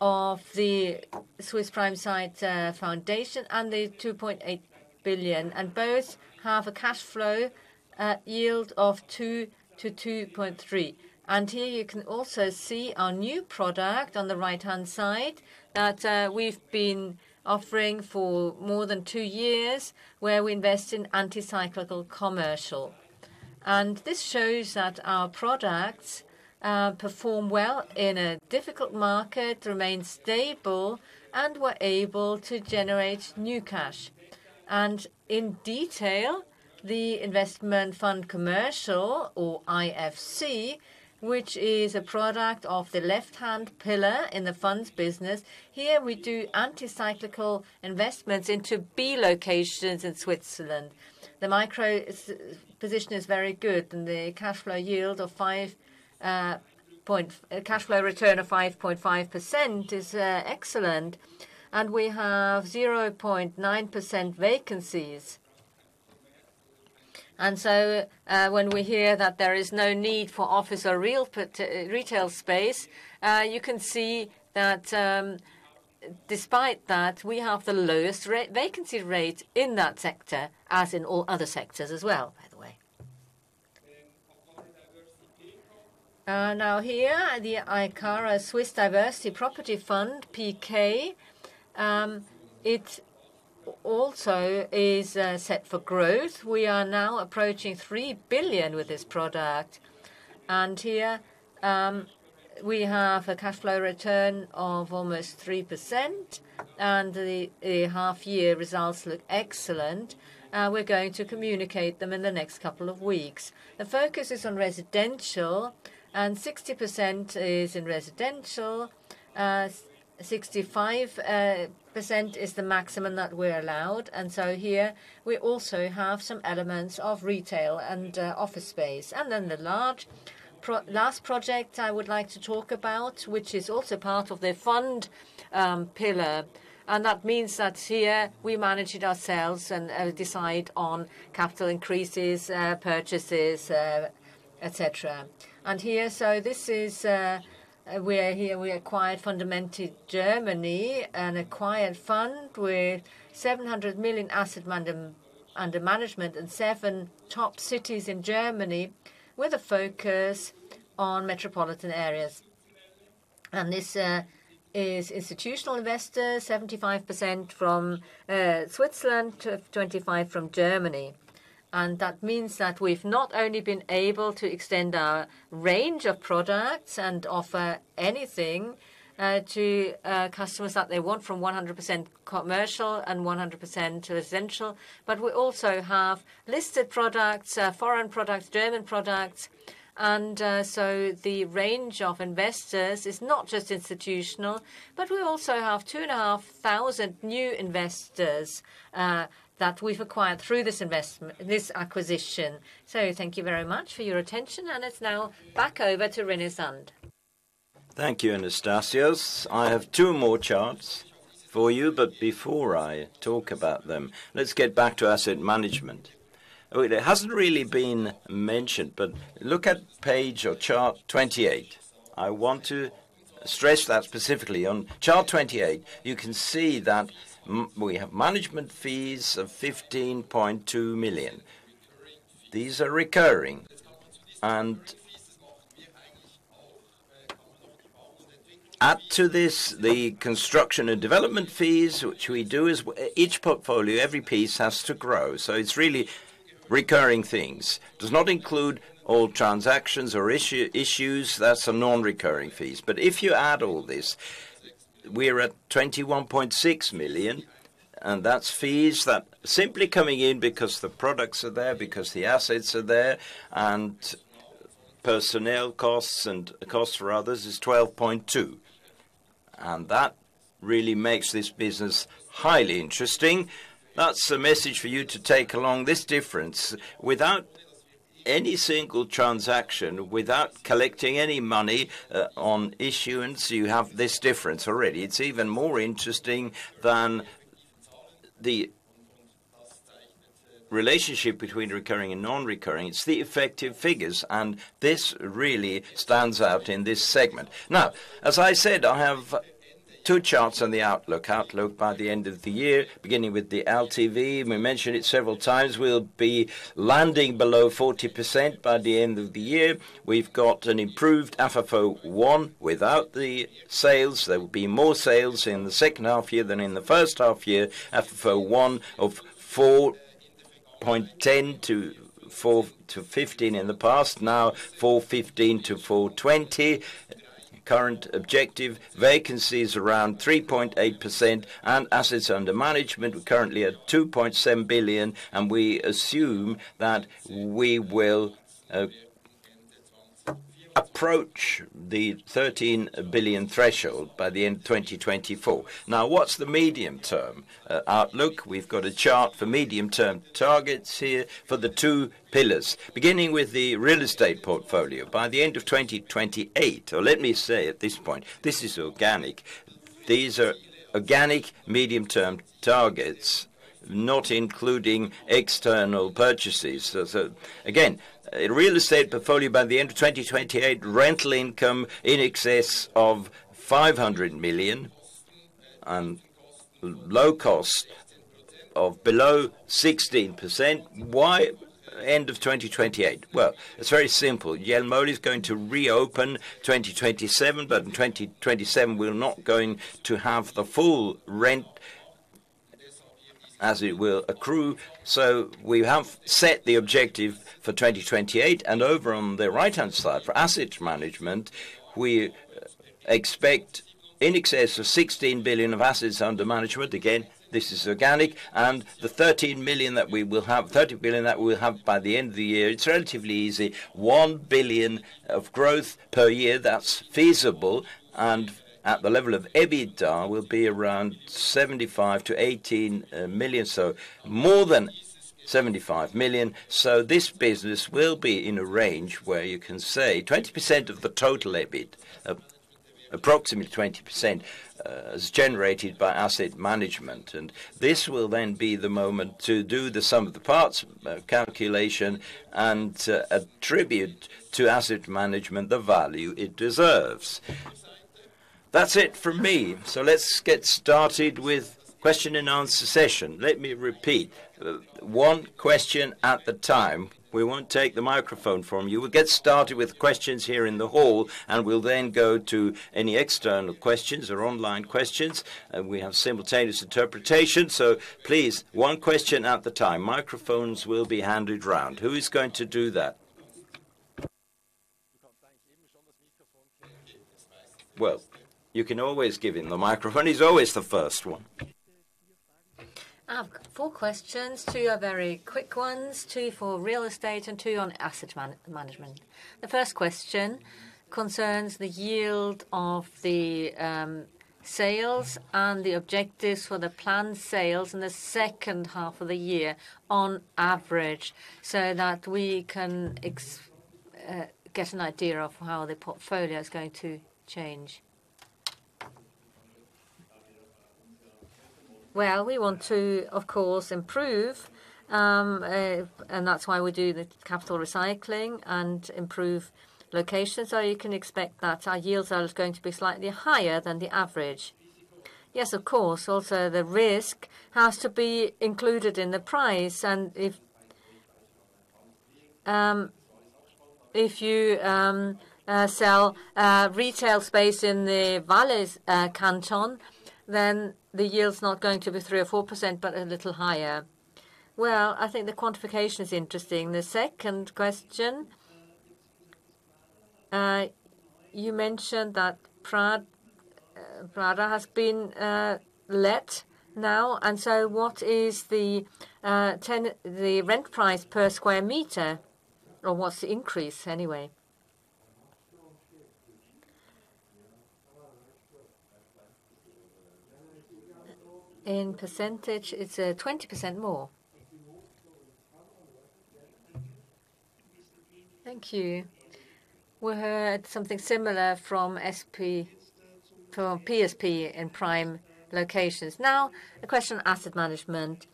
of the Swiss Prime Investment Foundation and the 2.8 billion, and both have a cash flow yield of 2% to 2.3%. Here you can also see our new product on the right-hand side, that we've been offering for more than two years, where we invest in anti-cyclical commercial. This shows that our products perform well in a difficult market, remain stable, and were able to generate new cash. In detail, the Investment Fund Commercial or IFC, which is a product of the left-hand pillar in the funds business, here we do anti-cyclical investments into B locations in Switzerland. The micro-location position is very good, and a cash flow return of 5.5% is excellent, and we have 0.9% vacancies. And so, when we hear that there is no need for office or retail space, you can see that, despite that, we have the lowest vacancy rate in that sector, as in all other sectors as well, by the way. And diversity. Now, here, the Akara Swiss Diversity Property Fund, PK. It also is set for growth. We are now approaching 3 billion with this product, and here, we have a cash flow return of almost 3%, and the half-year results look excellent. We're going to communicate them in the next couple of weeks. The focus is on residential, and 60% is in residential. 65 percent is the maximum that we're allowed, and so here we also have some elements of retail and office space. And then the large last project I would like to talk about, which is also part of the fund pillar, and that means that here we manage it ourselves and decide on capital increases, purchases, et cetera. Here, so this is, we are here. We acquired Fundamenta Germany, a fund with 700 million assets under management in 7 top cities in Germany, with a focus on metropolitan areas. And that means that we've not only been able to extend our range of products and offer anything to customers that they want, from 100% commercial and 100% to residential. But we also have listed products, foreign products, German products, and so the range of investors is not just institutional, but we also have 2,500 new investors that we've acquired through this acquisition. So thank you very much for your attention, and it's now back over to René Zahnd. Thank you, Anastasius. I have two more charts for you, but before I talk about them, let's get back to asset management. Oh, it hasn't really been mentioned, but look at page or chart 28. I want to stress that specifically. On chart 28, you can see that we have management fees of 15.2 million. These are recurring, and add to this, the construction and development fees, which we do is each portfolio, every piece has to grow. So it's really recurring things. Does not include all transactions or issues, that's the non-recurring fees. But if you add all this, we're at 21.6 million, and that's fees that simply coming in because the products are there, because the assets are there, and personnel costs and costs for others is 12.2 million. That really makes this business highly interesting. That's a message for you to take along. This difference, without any single transaction, without collecting any money, on issuance, you have this difference already. It's even more interesting than the relationship between recurring and non-recurring. It's the effective figures, and this really stands out in this segment. Now, as I said, I have two charts on the outlook. Outlook by the end of the year, beginning with the LTV, we mentioned it several times, we'll be landing below 40% by the end of the year. We've got an improved FFO I. Without the sales, there will be more sales in the second half year than in the first half year. FFO I of 4.10-4.15 in the past, now 4.15-4.20. Current objective, vacancy is around 3.8%, and assets under management are currently at 2.7 billion, and we assume that we will approach the 13 billion threshold by the end of 2024. Now, what's the medium-term outlook? We've got a chart for medium-term targets here for the two pillars. Beginning with the real estate portfolio, by the end of 2028. Or let me say at this point, this is organic. These are organic medium-term targets, not including external purchases. So, so again, in real estate portfolio, by the end of 2028, rental income in excess of 500 million and low cost of below 16%. Why end of 2028? Well, it's very simple. Jelmoli is going to reopen 2027, but in 2027, we're not going to have the full rent as it will accrue. We have set the objective for twenty twenty-eight. Over on the right-hand side, for asset management, we expect in excess of 16 billion of assets under management. Again, this is organic. The 13 billion that we'll have by the end of the year, it's relatively easy. 1 billion of growth per year, that's feasible, and at the level of EBITDA, will be around 75 to 18 million. More than 75 million. This business will be in a range where you can say 20% of the total EBIT, approximately 20%, is generated by asset management. This will then be the moment to do the sum of the parts calculation and attribute to asset management the value it deserves. That's it from me. Let's get started with question and answer session. Let me repeat, one question at a time. We won't take the microphone from you. We'll get started with questions here in the hall, and we'll then go to any external questions or online questions. And we have simultaneous interpretation. So please, one question at a time. Microphones will be handed round. Who is going to do that? Well, you can always give him the microphone. He's always the first one. I've got four questions. Two are very quick ones, two for real estate, and two on asset management. The first question concerns the yield of the sales and the objectives for the planned sales in the second half of the year on average, so that we can get an idea of how the portfolio is going to change. We want to, of course, improve, and that's why we do the capital recycling and improve locations. You can expect that our yields are going to be slightly higher than the average... Yes, of course. Also, the risk has to be included in the price, and if you sell retail space in the Valais canton, then the yield's not going to be 3% or 4%, but a little higher. I think the quantification is interesting. The second question, you mentioned that Paradiso has been let now, and so what is the rent price per square meter, or what's the increase anyway? In percentage, it's 20% more. Thank you. We heard something similar from SP, from PSP in prime locations. Now, a question on asset management.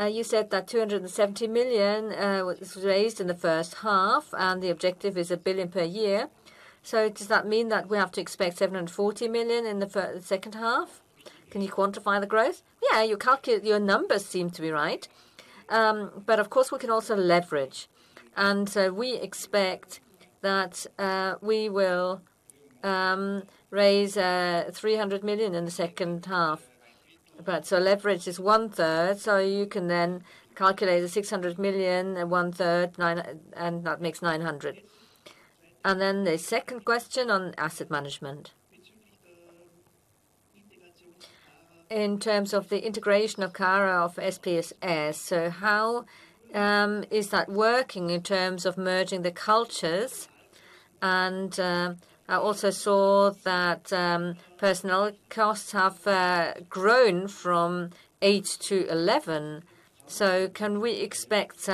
You said that 270 million was raised in the first half, and the objective is 1 billion per year. So does that mean that we have to expect 740 million in the second half? Can you quantify the growth? Yeah, your calculation, your numbers seem to be right. But of course, we can also leverage. And so we expect that we will raise 300 million in the second half. Leverage is one-third, so you can then calculate the 600 million and one-third, nine, and that makes 900. The second question on asset management. In terms of the integration of Akara, of SPSS, how is that working in terms of merging the cultures? I also saw that personnel costs have grown from 8 to 11. Can we expect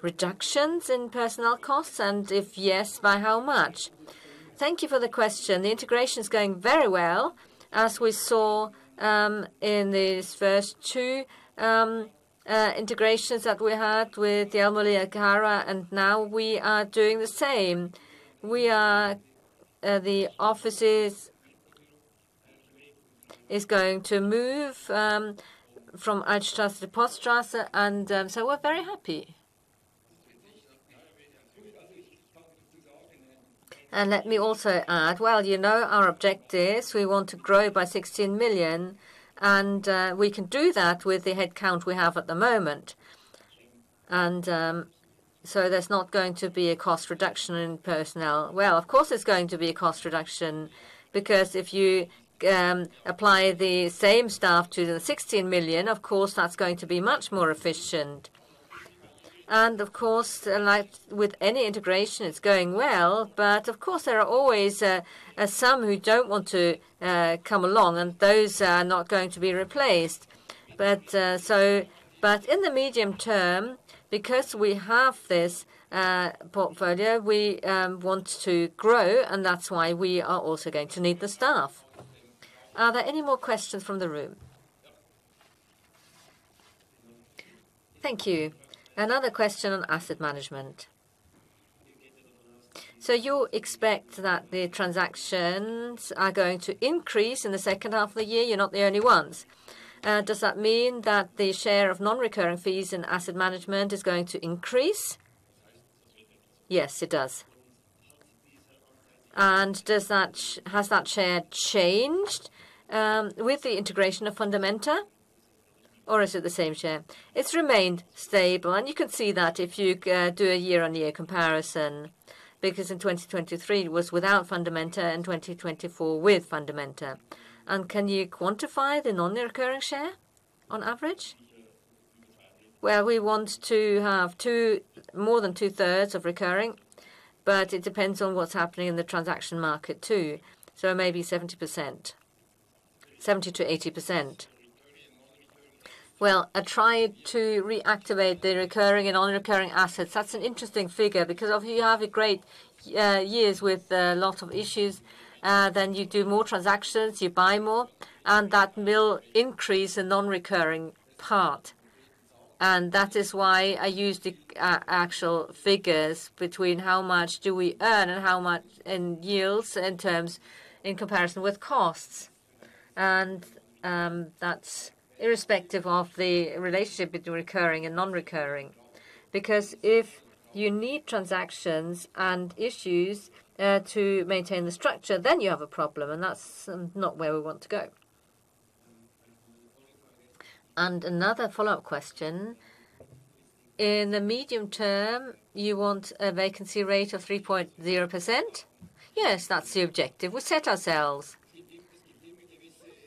reductions in personnel costs, and if yes, by how much? Thank you for the question. The integration is going very well, as we saw in these first two integrations that we had with the Jelmoli Akara, and now we are doing the same. The offices are going to move from Alpenstrasse to Poststrasse, and we are very happy. Let me also add, well, you know, our objective is we want to grow by 16 million, and we can do that with the headcount we have at the moment. There's not going to be a cost reduction in personnel. Of course, there's going to be a cost reduction, because if you apply the same staff to the 16 million, of course, that's going to be much more efficient. Of course, like with any integration, it's going well, but of course, there are always some who don't want to come along, and those are not going to be replaced. In the medium term, because we have this portfolio, we want to grow, and that's why we are also going to need the staff. Are there any more questions from the room? Thank you. Another question on asset management. So you expect that the transactions are going to increase in the second half of the year? You're not the only ones. Does that mean that the share of non-recurring fees in asset management is going to increase? Yes, it does. And has that share changed with the integration of Fundamenta, or is it the same share? It's remained stable, and you can see that if you do a year-on-year comparison, because in 2023, it was without Fundamenta, in 2024 with Fundamenta. And can you quantify the non-recurring share on average? Well, we want to have more than two-thirds of recurring, but it depends on what's happening in the transaction market, too. So maybe 70%, 70%-80%. Well, I tried to reactivate the recurring and non-recurring assets. That's an interesting figure, because if you have great years with a lot of issues, then you do more transactions, you buy more, and that will increase the non-recurring part. And that is why I use the actual figures between how much do we earn and how much in yields, in terms, in comparison with costs. And that's irrespective of the relationship between recurring and non-recurring. Because if you need transactions and issues to maintain the structure, then you have a problem, and that's not where we want to go. And another follow-up question: In the medium term, you want a vacancy rate of 3.0%? Yes, that's the objective we set ourselves.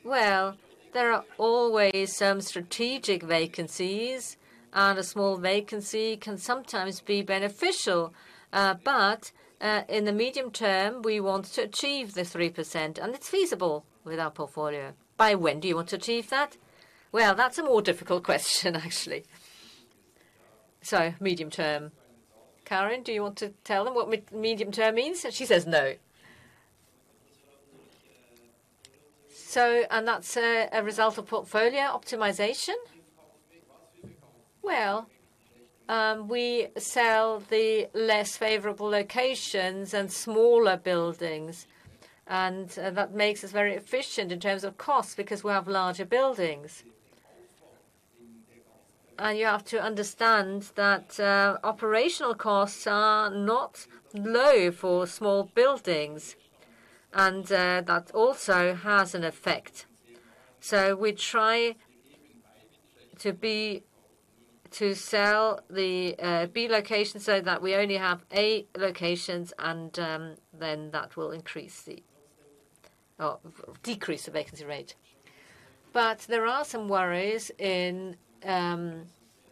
Well, there are always some strategic vacancies, and a small vacancy can sometimes be beneficial. In the medium term, we want to achieve the 3%, and it's feasible with our portfolio. By when do you want to achieve that? That's a more difficult question, actually. Medium term. Karin, do you want to tell them what medium term means? She says no, and that's a result of portfolio optimization? Well, we sell the less favorable locations and smaller buildings, and that makes us very efficient in terms of cost because we have larger buildings. You have to understand that operational costs are not low for small buildings, and that also has an effect. We try to sell the B locations so that we only have A locations, and then that will decrease the vacancy rate. There are some worries in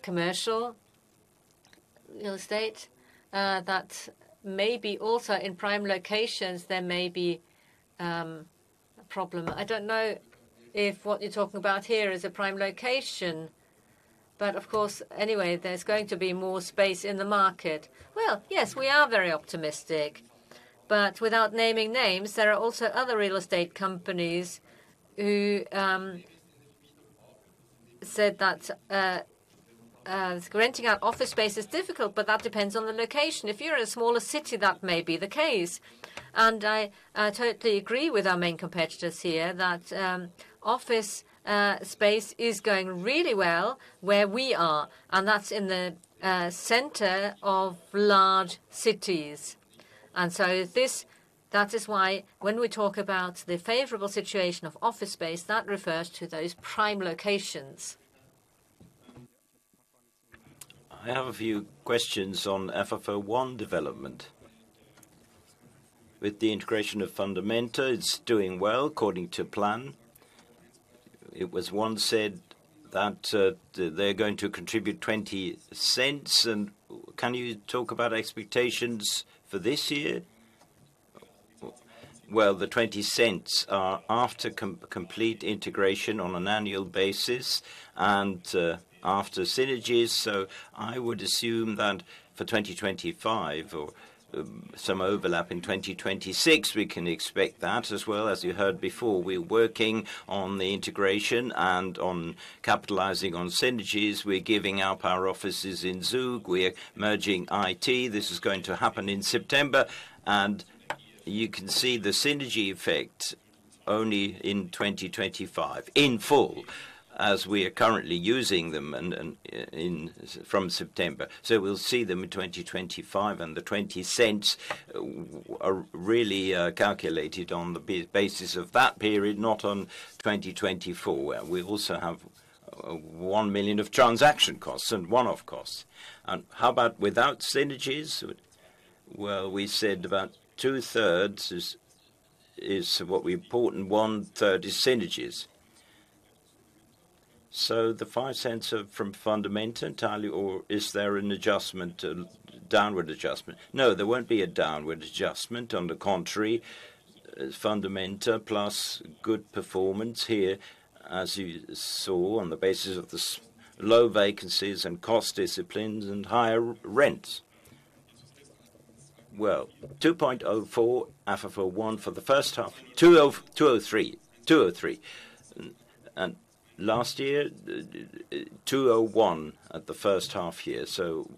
commercial real estate that maybe also in prime locations there may be a problem. I don't know if what you're talking about here is a prime location, but of course anyway there's going to be more space in the market. Yes, we are very optimistic, but without naming names, there are also other real estate companies who said that renting out office space is difficult, but that depends on the location. If you're in a smaller city, that may be the case. I totally agree with our main competitors here that office space is going really well where we are, and that's in the center of large cities. That is why when we talk about the favorable situation of office space, that refers to those prime locations. I have a few questions on FFO I development. With the integration of Fundamenta, it's doing well, according to plan. It was once said that they're going to contribute 0.20, and can you talk about expectations for this year? The 20 cents are after complete integration on an annual basis and after synergies. I would assume that for 2025 or some overlap in 2026, we can expect that as well. As you heard before, we're working on the integration and on capitalizing on synergies. We're giving out our offices in Zug. We are merging IT. This is going to happen in September, and you can see the synergy effect only in 2025, in full, as we are currently using them and from September. We'll see them in 2025, and the 20 cents are really calculated on the basis of that period, not on 2024, where we also have 1 million of transaction costs and one-off costs. How about without synergies? We said about 2/3 is what we import, and 1/3 is synergies. So the 0.05 are from Fundamenta entirely, or is there an adjustment, a downward adjustment? No, there won't be a downward adjustment. On the contrary, Fundamenta plus good performance here, as you saw, on the basis of this low vacancies and cost disciplines and higher rents. 2.04, FFO I for the first half. 2.03. 2.03. And last year, 2.01 at the first half year. So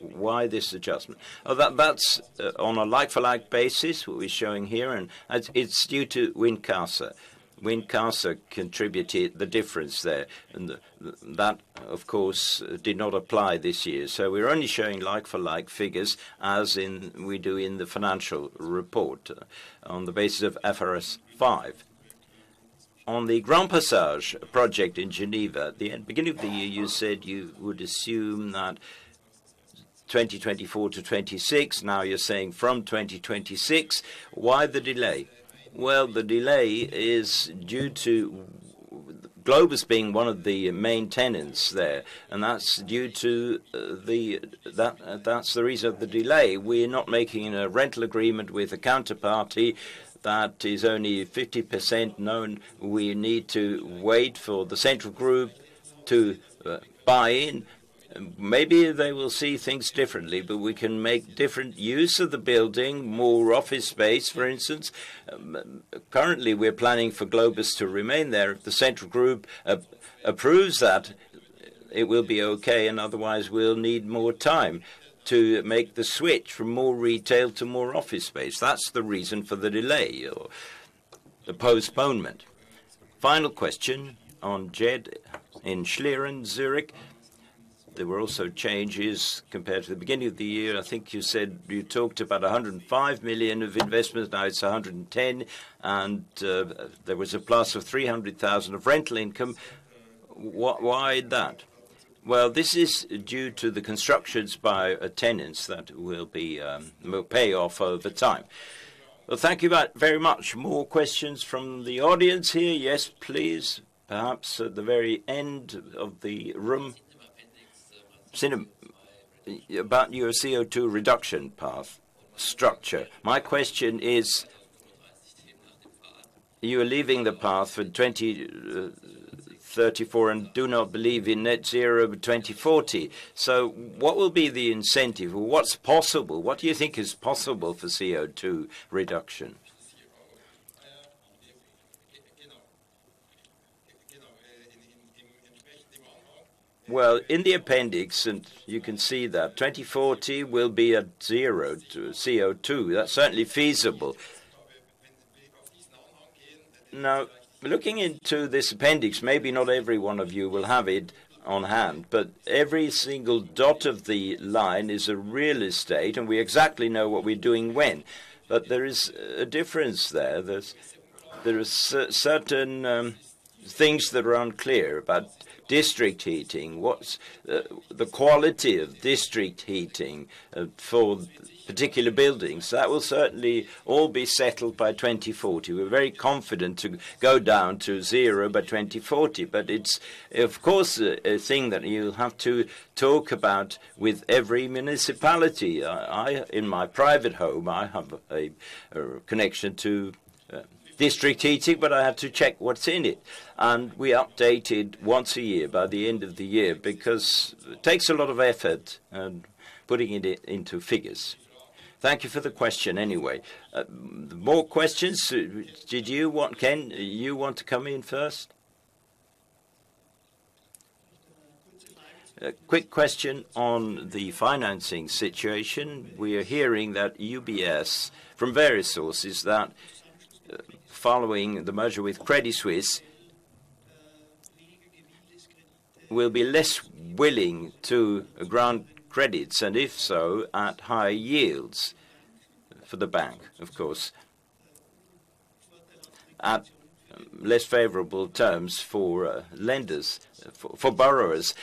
why this adjustment? Oh, that's on a like-for-like basis, what we're showing here, and it's due to Wincasa. Wincasa contributed the difference there, and that, of course, did not apply this year. So we're only showing like-for-like figures, as we do in the financial report, on the basis of IFRS 5. On the Grand-Passage project in Geneva, the beginning of the year, you said you would assume that 2024 to 2026. Now you're saying from 2026. Why the delay? The delay is due to Globus being one of the main tenants there, and that's due to. That, that's the reason of the delay. We're not making a rental agreement with a counterparty that is only 50% known. We need to wait for the Central Group to buy in. Maybe they will see things differently, but we can make different use of the building, more office space, for instance. Currently, we're planning for Globus to remain there. If the Central Group approves that, it will be okay, and otherwise, we'll need more time to make the switch from more retail to more office space. That's the reason for the delay or the postponement. Final question on JED in Schlieren, Zurich. There were also changes compared to the beginning of the year. I think you said you talked about 105 million of investments, now it's 110 million, and there was a plus of 300,000 of rental income. Why that? This is due to the constructions by the tenants that will pay off over time. Thank you very, very much. More questions from the audience here? Yes, please. Perhaps at the very end of the room. About your CO2 reduction path structure. My question is, you are leaving the path for 2034 and do not believe in net zero by 2040. So what will be the incentive? What's possible? What do you think is possible for CO2 reduction? Well, in the appendix, and you can see that, 2040 will be at zero CO2. That's certainly feasible. Now, looking into this appendix, maybe not every one of you will have it on hand, but every single dot of the line is a real estate, and we exactly know what we're doing when. But there is a difference there. There are certain things that are unclear about district heating. What's the quality of district heating for particular buildings? That will certainly all be settled by 2040. We're very confident to go down to zero by 2040, but it's, of course, a thing that you have to talk about with every municipality. In my private home, I have a connection to district heating, but I have to check what's in it. And we update it once a year, by the end of the year, because it takes a lot of effort putting it into figures. Thank you for the question, anyway. More questions? Did you want, Ken, you want to come in first? A quick question on the financing situation. We are hearing that UBS, from various sources, that following the merger with Credit Suisse, will be less willing to grant credits, and if so, at higher yields for the bank, of course, at less favorable terms for borrowers.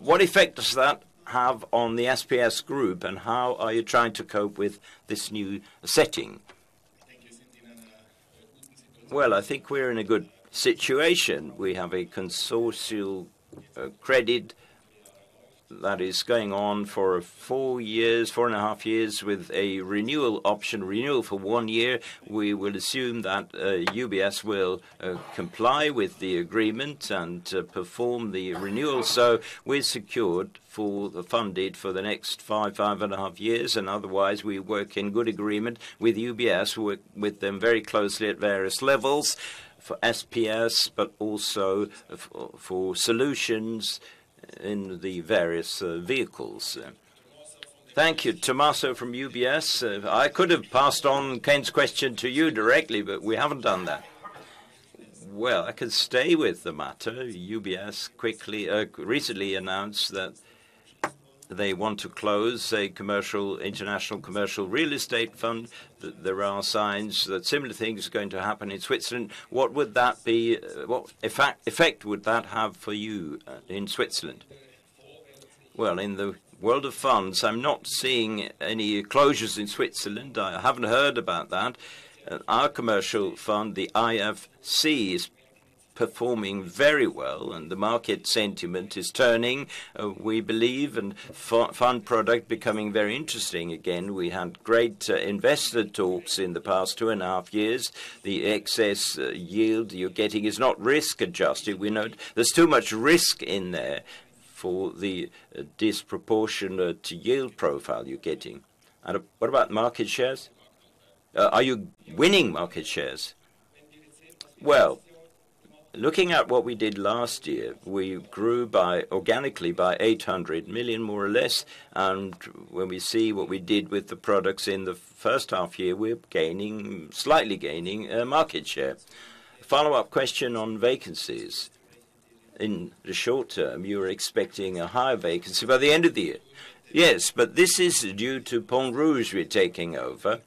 What effect does that have on the SPS Group, and how are you trying to cope with this new setting? Well, I think we're in a good situation. We have a consortium credit that is going on for four years, four and a half years, with a renewal option, renewal for one year. We will assume that UBS will comply with the agreement and perform the renewal. So we're secured for the funding for the next five, five and a half years, and otherwise, we work in good agreement with UBS. We work with them very closely at various levels for SPS, but also for solutions in the various vehicles. Thank you. Tommaso from UBS. I could have passed on Ken's question to you directly, but we haven't done that. Well, I can stay with the matter. UBS quickly recently announced that they want to close a commercial international commercial real estate fund. There are signs that similar thing is going to happen in Switzerland. What would that be? What effect would that have for you in Switzerland? Well, in the world of funds, I'm not seeing any closures in Switzerland. I haven't heard about that. Our commercial fund, the IFC, is performing very well, and the market sentiment is turning, we believe, and fund product becoming very interesting again. We had great investor talks in the past two and a half years. The excess yield you're getting is not risk-adjusted. We know there's too much risk in there for the disproportionate yield profile you're getting. And what about market shares? Are you winning market shares? Well, looking at what we did last year, we grew by, organically, by 800 million, more or less. And when we see what we did with the products in the first half year, we're gaining, slightly gaining market share. Follow-up question on vacancies. In the short term, you're expecting a higher vacancy by the end of the year? Yes, but this is due to Pont Rouge we're taking over,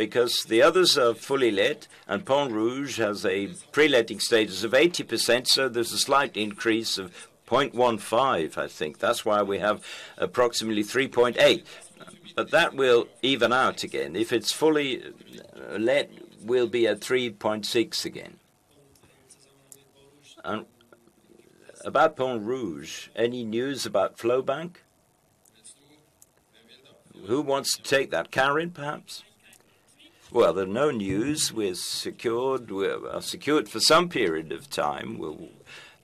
because the others are fully let, and Pont Rouge has a pre-letting status of 80%, so there's a slight increase of 0.15%, I think. That's why we have approximately 3.8. But that will even out again. If it's fully let, we'll be at 3.6 again. And about Pont Rouge, any news about FlowBank? Who wants to take that? Karin, perhaps? Well, there's no news. We're secured. We are secured for some period of time. We'll.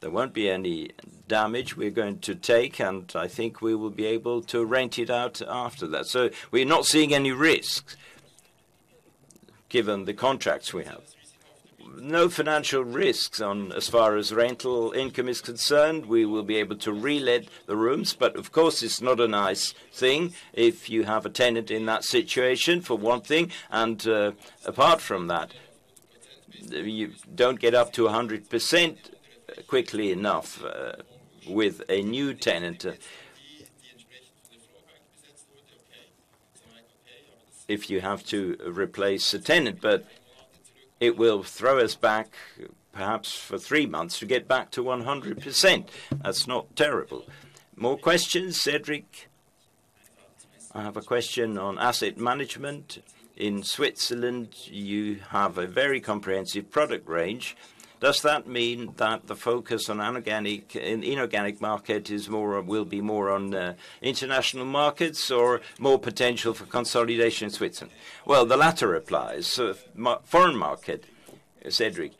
There won't be any damage we're going to take, and I think we will be able to rent it out after that. So we're not seeing any risks, given the contracts we have. No financial risks on. As far as rental income is concerned, we will be able to re-let the rooms. But of course, it's not a nice thing if you have a tenant in that situation, for one thing, and, apart from that, you don't get up to 100% quickly enough, with a new tenant, if you have to replace a tenant. But it will throw us back, perhaps for three months, to get back to 100%. That's not terrible. More questions, Cedric? I have a question on asset management. In Switzerland, you have a very comprehensive product range. Does that mean that the focus on inorganic, in inorganic market is more or will be more on the international markets or more potential for consolidation in Switzerland? Well, the latter applies. So major foreign market, Cedric?...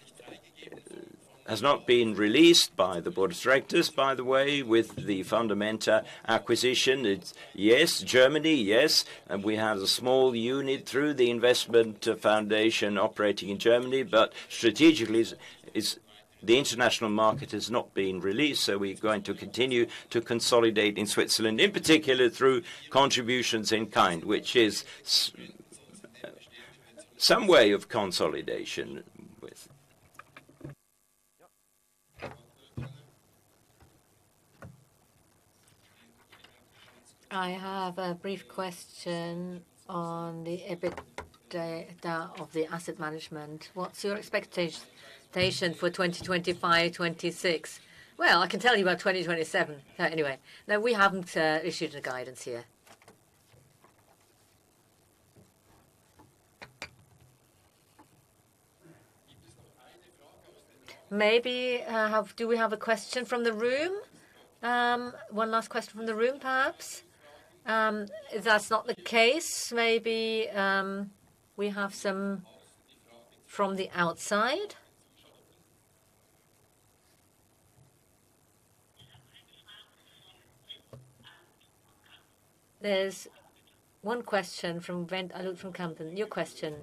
has not been released by the board of directors, by the way, with the Fundamenta acquisition. It's yes, Germany, yes, and we have a small unit through the investment foundation operating in Germany, but strategically is the international market has not been released, so we're going to continue to consolidate in Switzerland, in particular, through contributions in kind, which is some way of consolidation with. I have a brief question on the EBITDA of the asset management. What's your expectation for 2025, 26? Well, I can tell you about 2027. Anyway. No, we haven't issued a guidance here. Maybe do we have a question from the room? One last question from the room, perhaps. If that's not the case, maybe we have some from the outside. There's one question from Brent Adult from Camden. New question.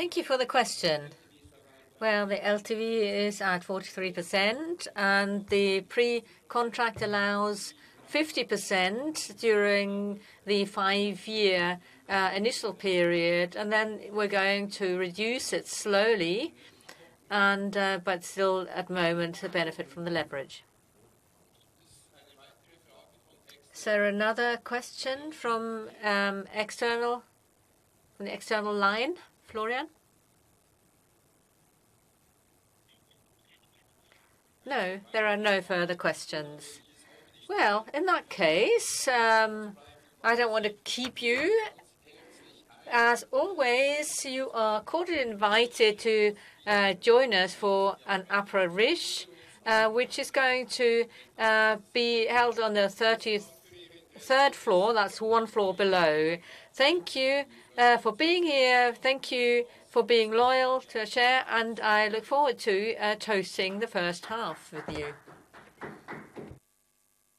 We have one question actually on the asset management business. I'm looking at investment from commercial, and I noticed that the LTV is 43%. How do you look at that? As far as I'm aware, for some funds, there is a cap of 33%, so why is this one exempt? Thank you. Thank you for the question. The LTV is at 43%, and the pre-contract allows 50% during the five-year initial period, and then we're going to reduce it slowly and, but still at the moment, to benefit from the leverage. Jut another question. Is there another question from external, from the external line, Florian? No, there are no further questions. Well, in that case, I don't want to keep you. As always, you are cordially invited to join us for an apéritif, which is going to be held on the third floor. That's one floor below. Thank you for being here. Thank you for being loyal to us here, and I look forward to toasting the first half with you.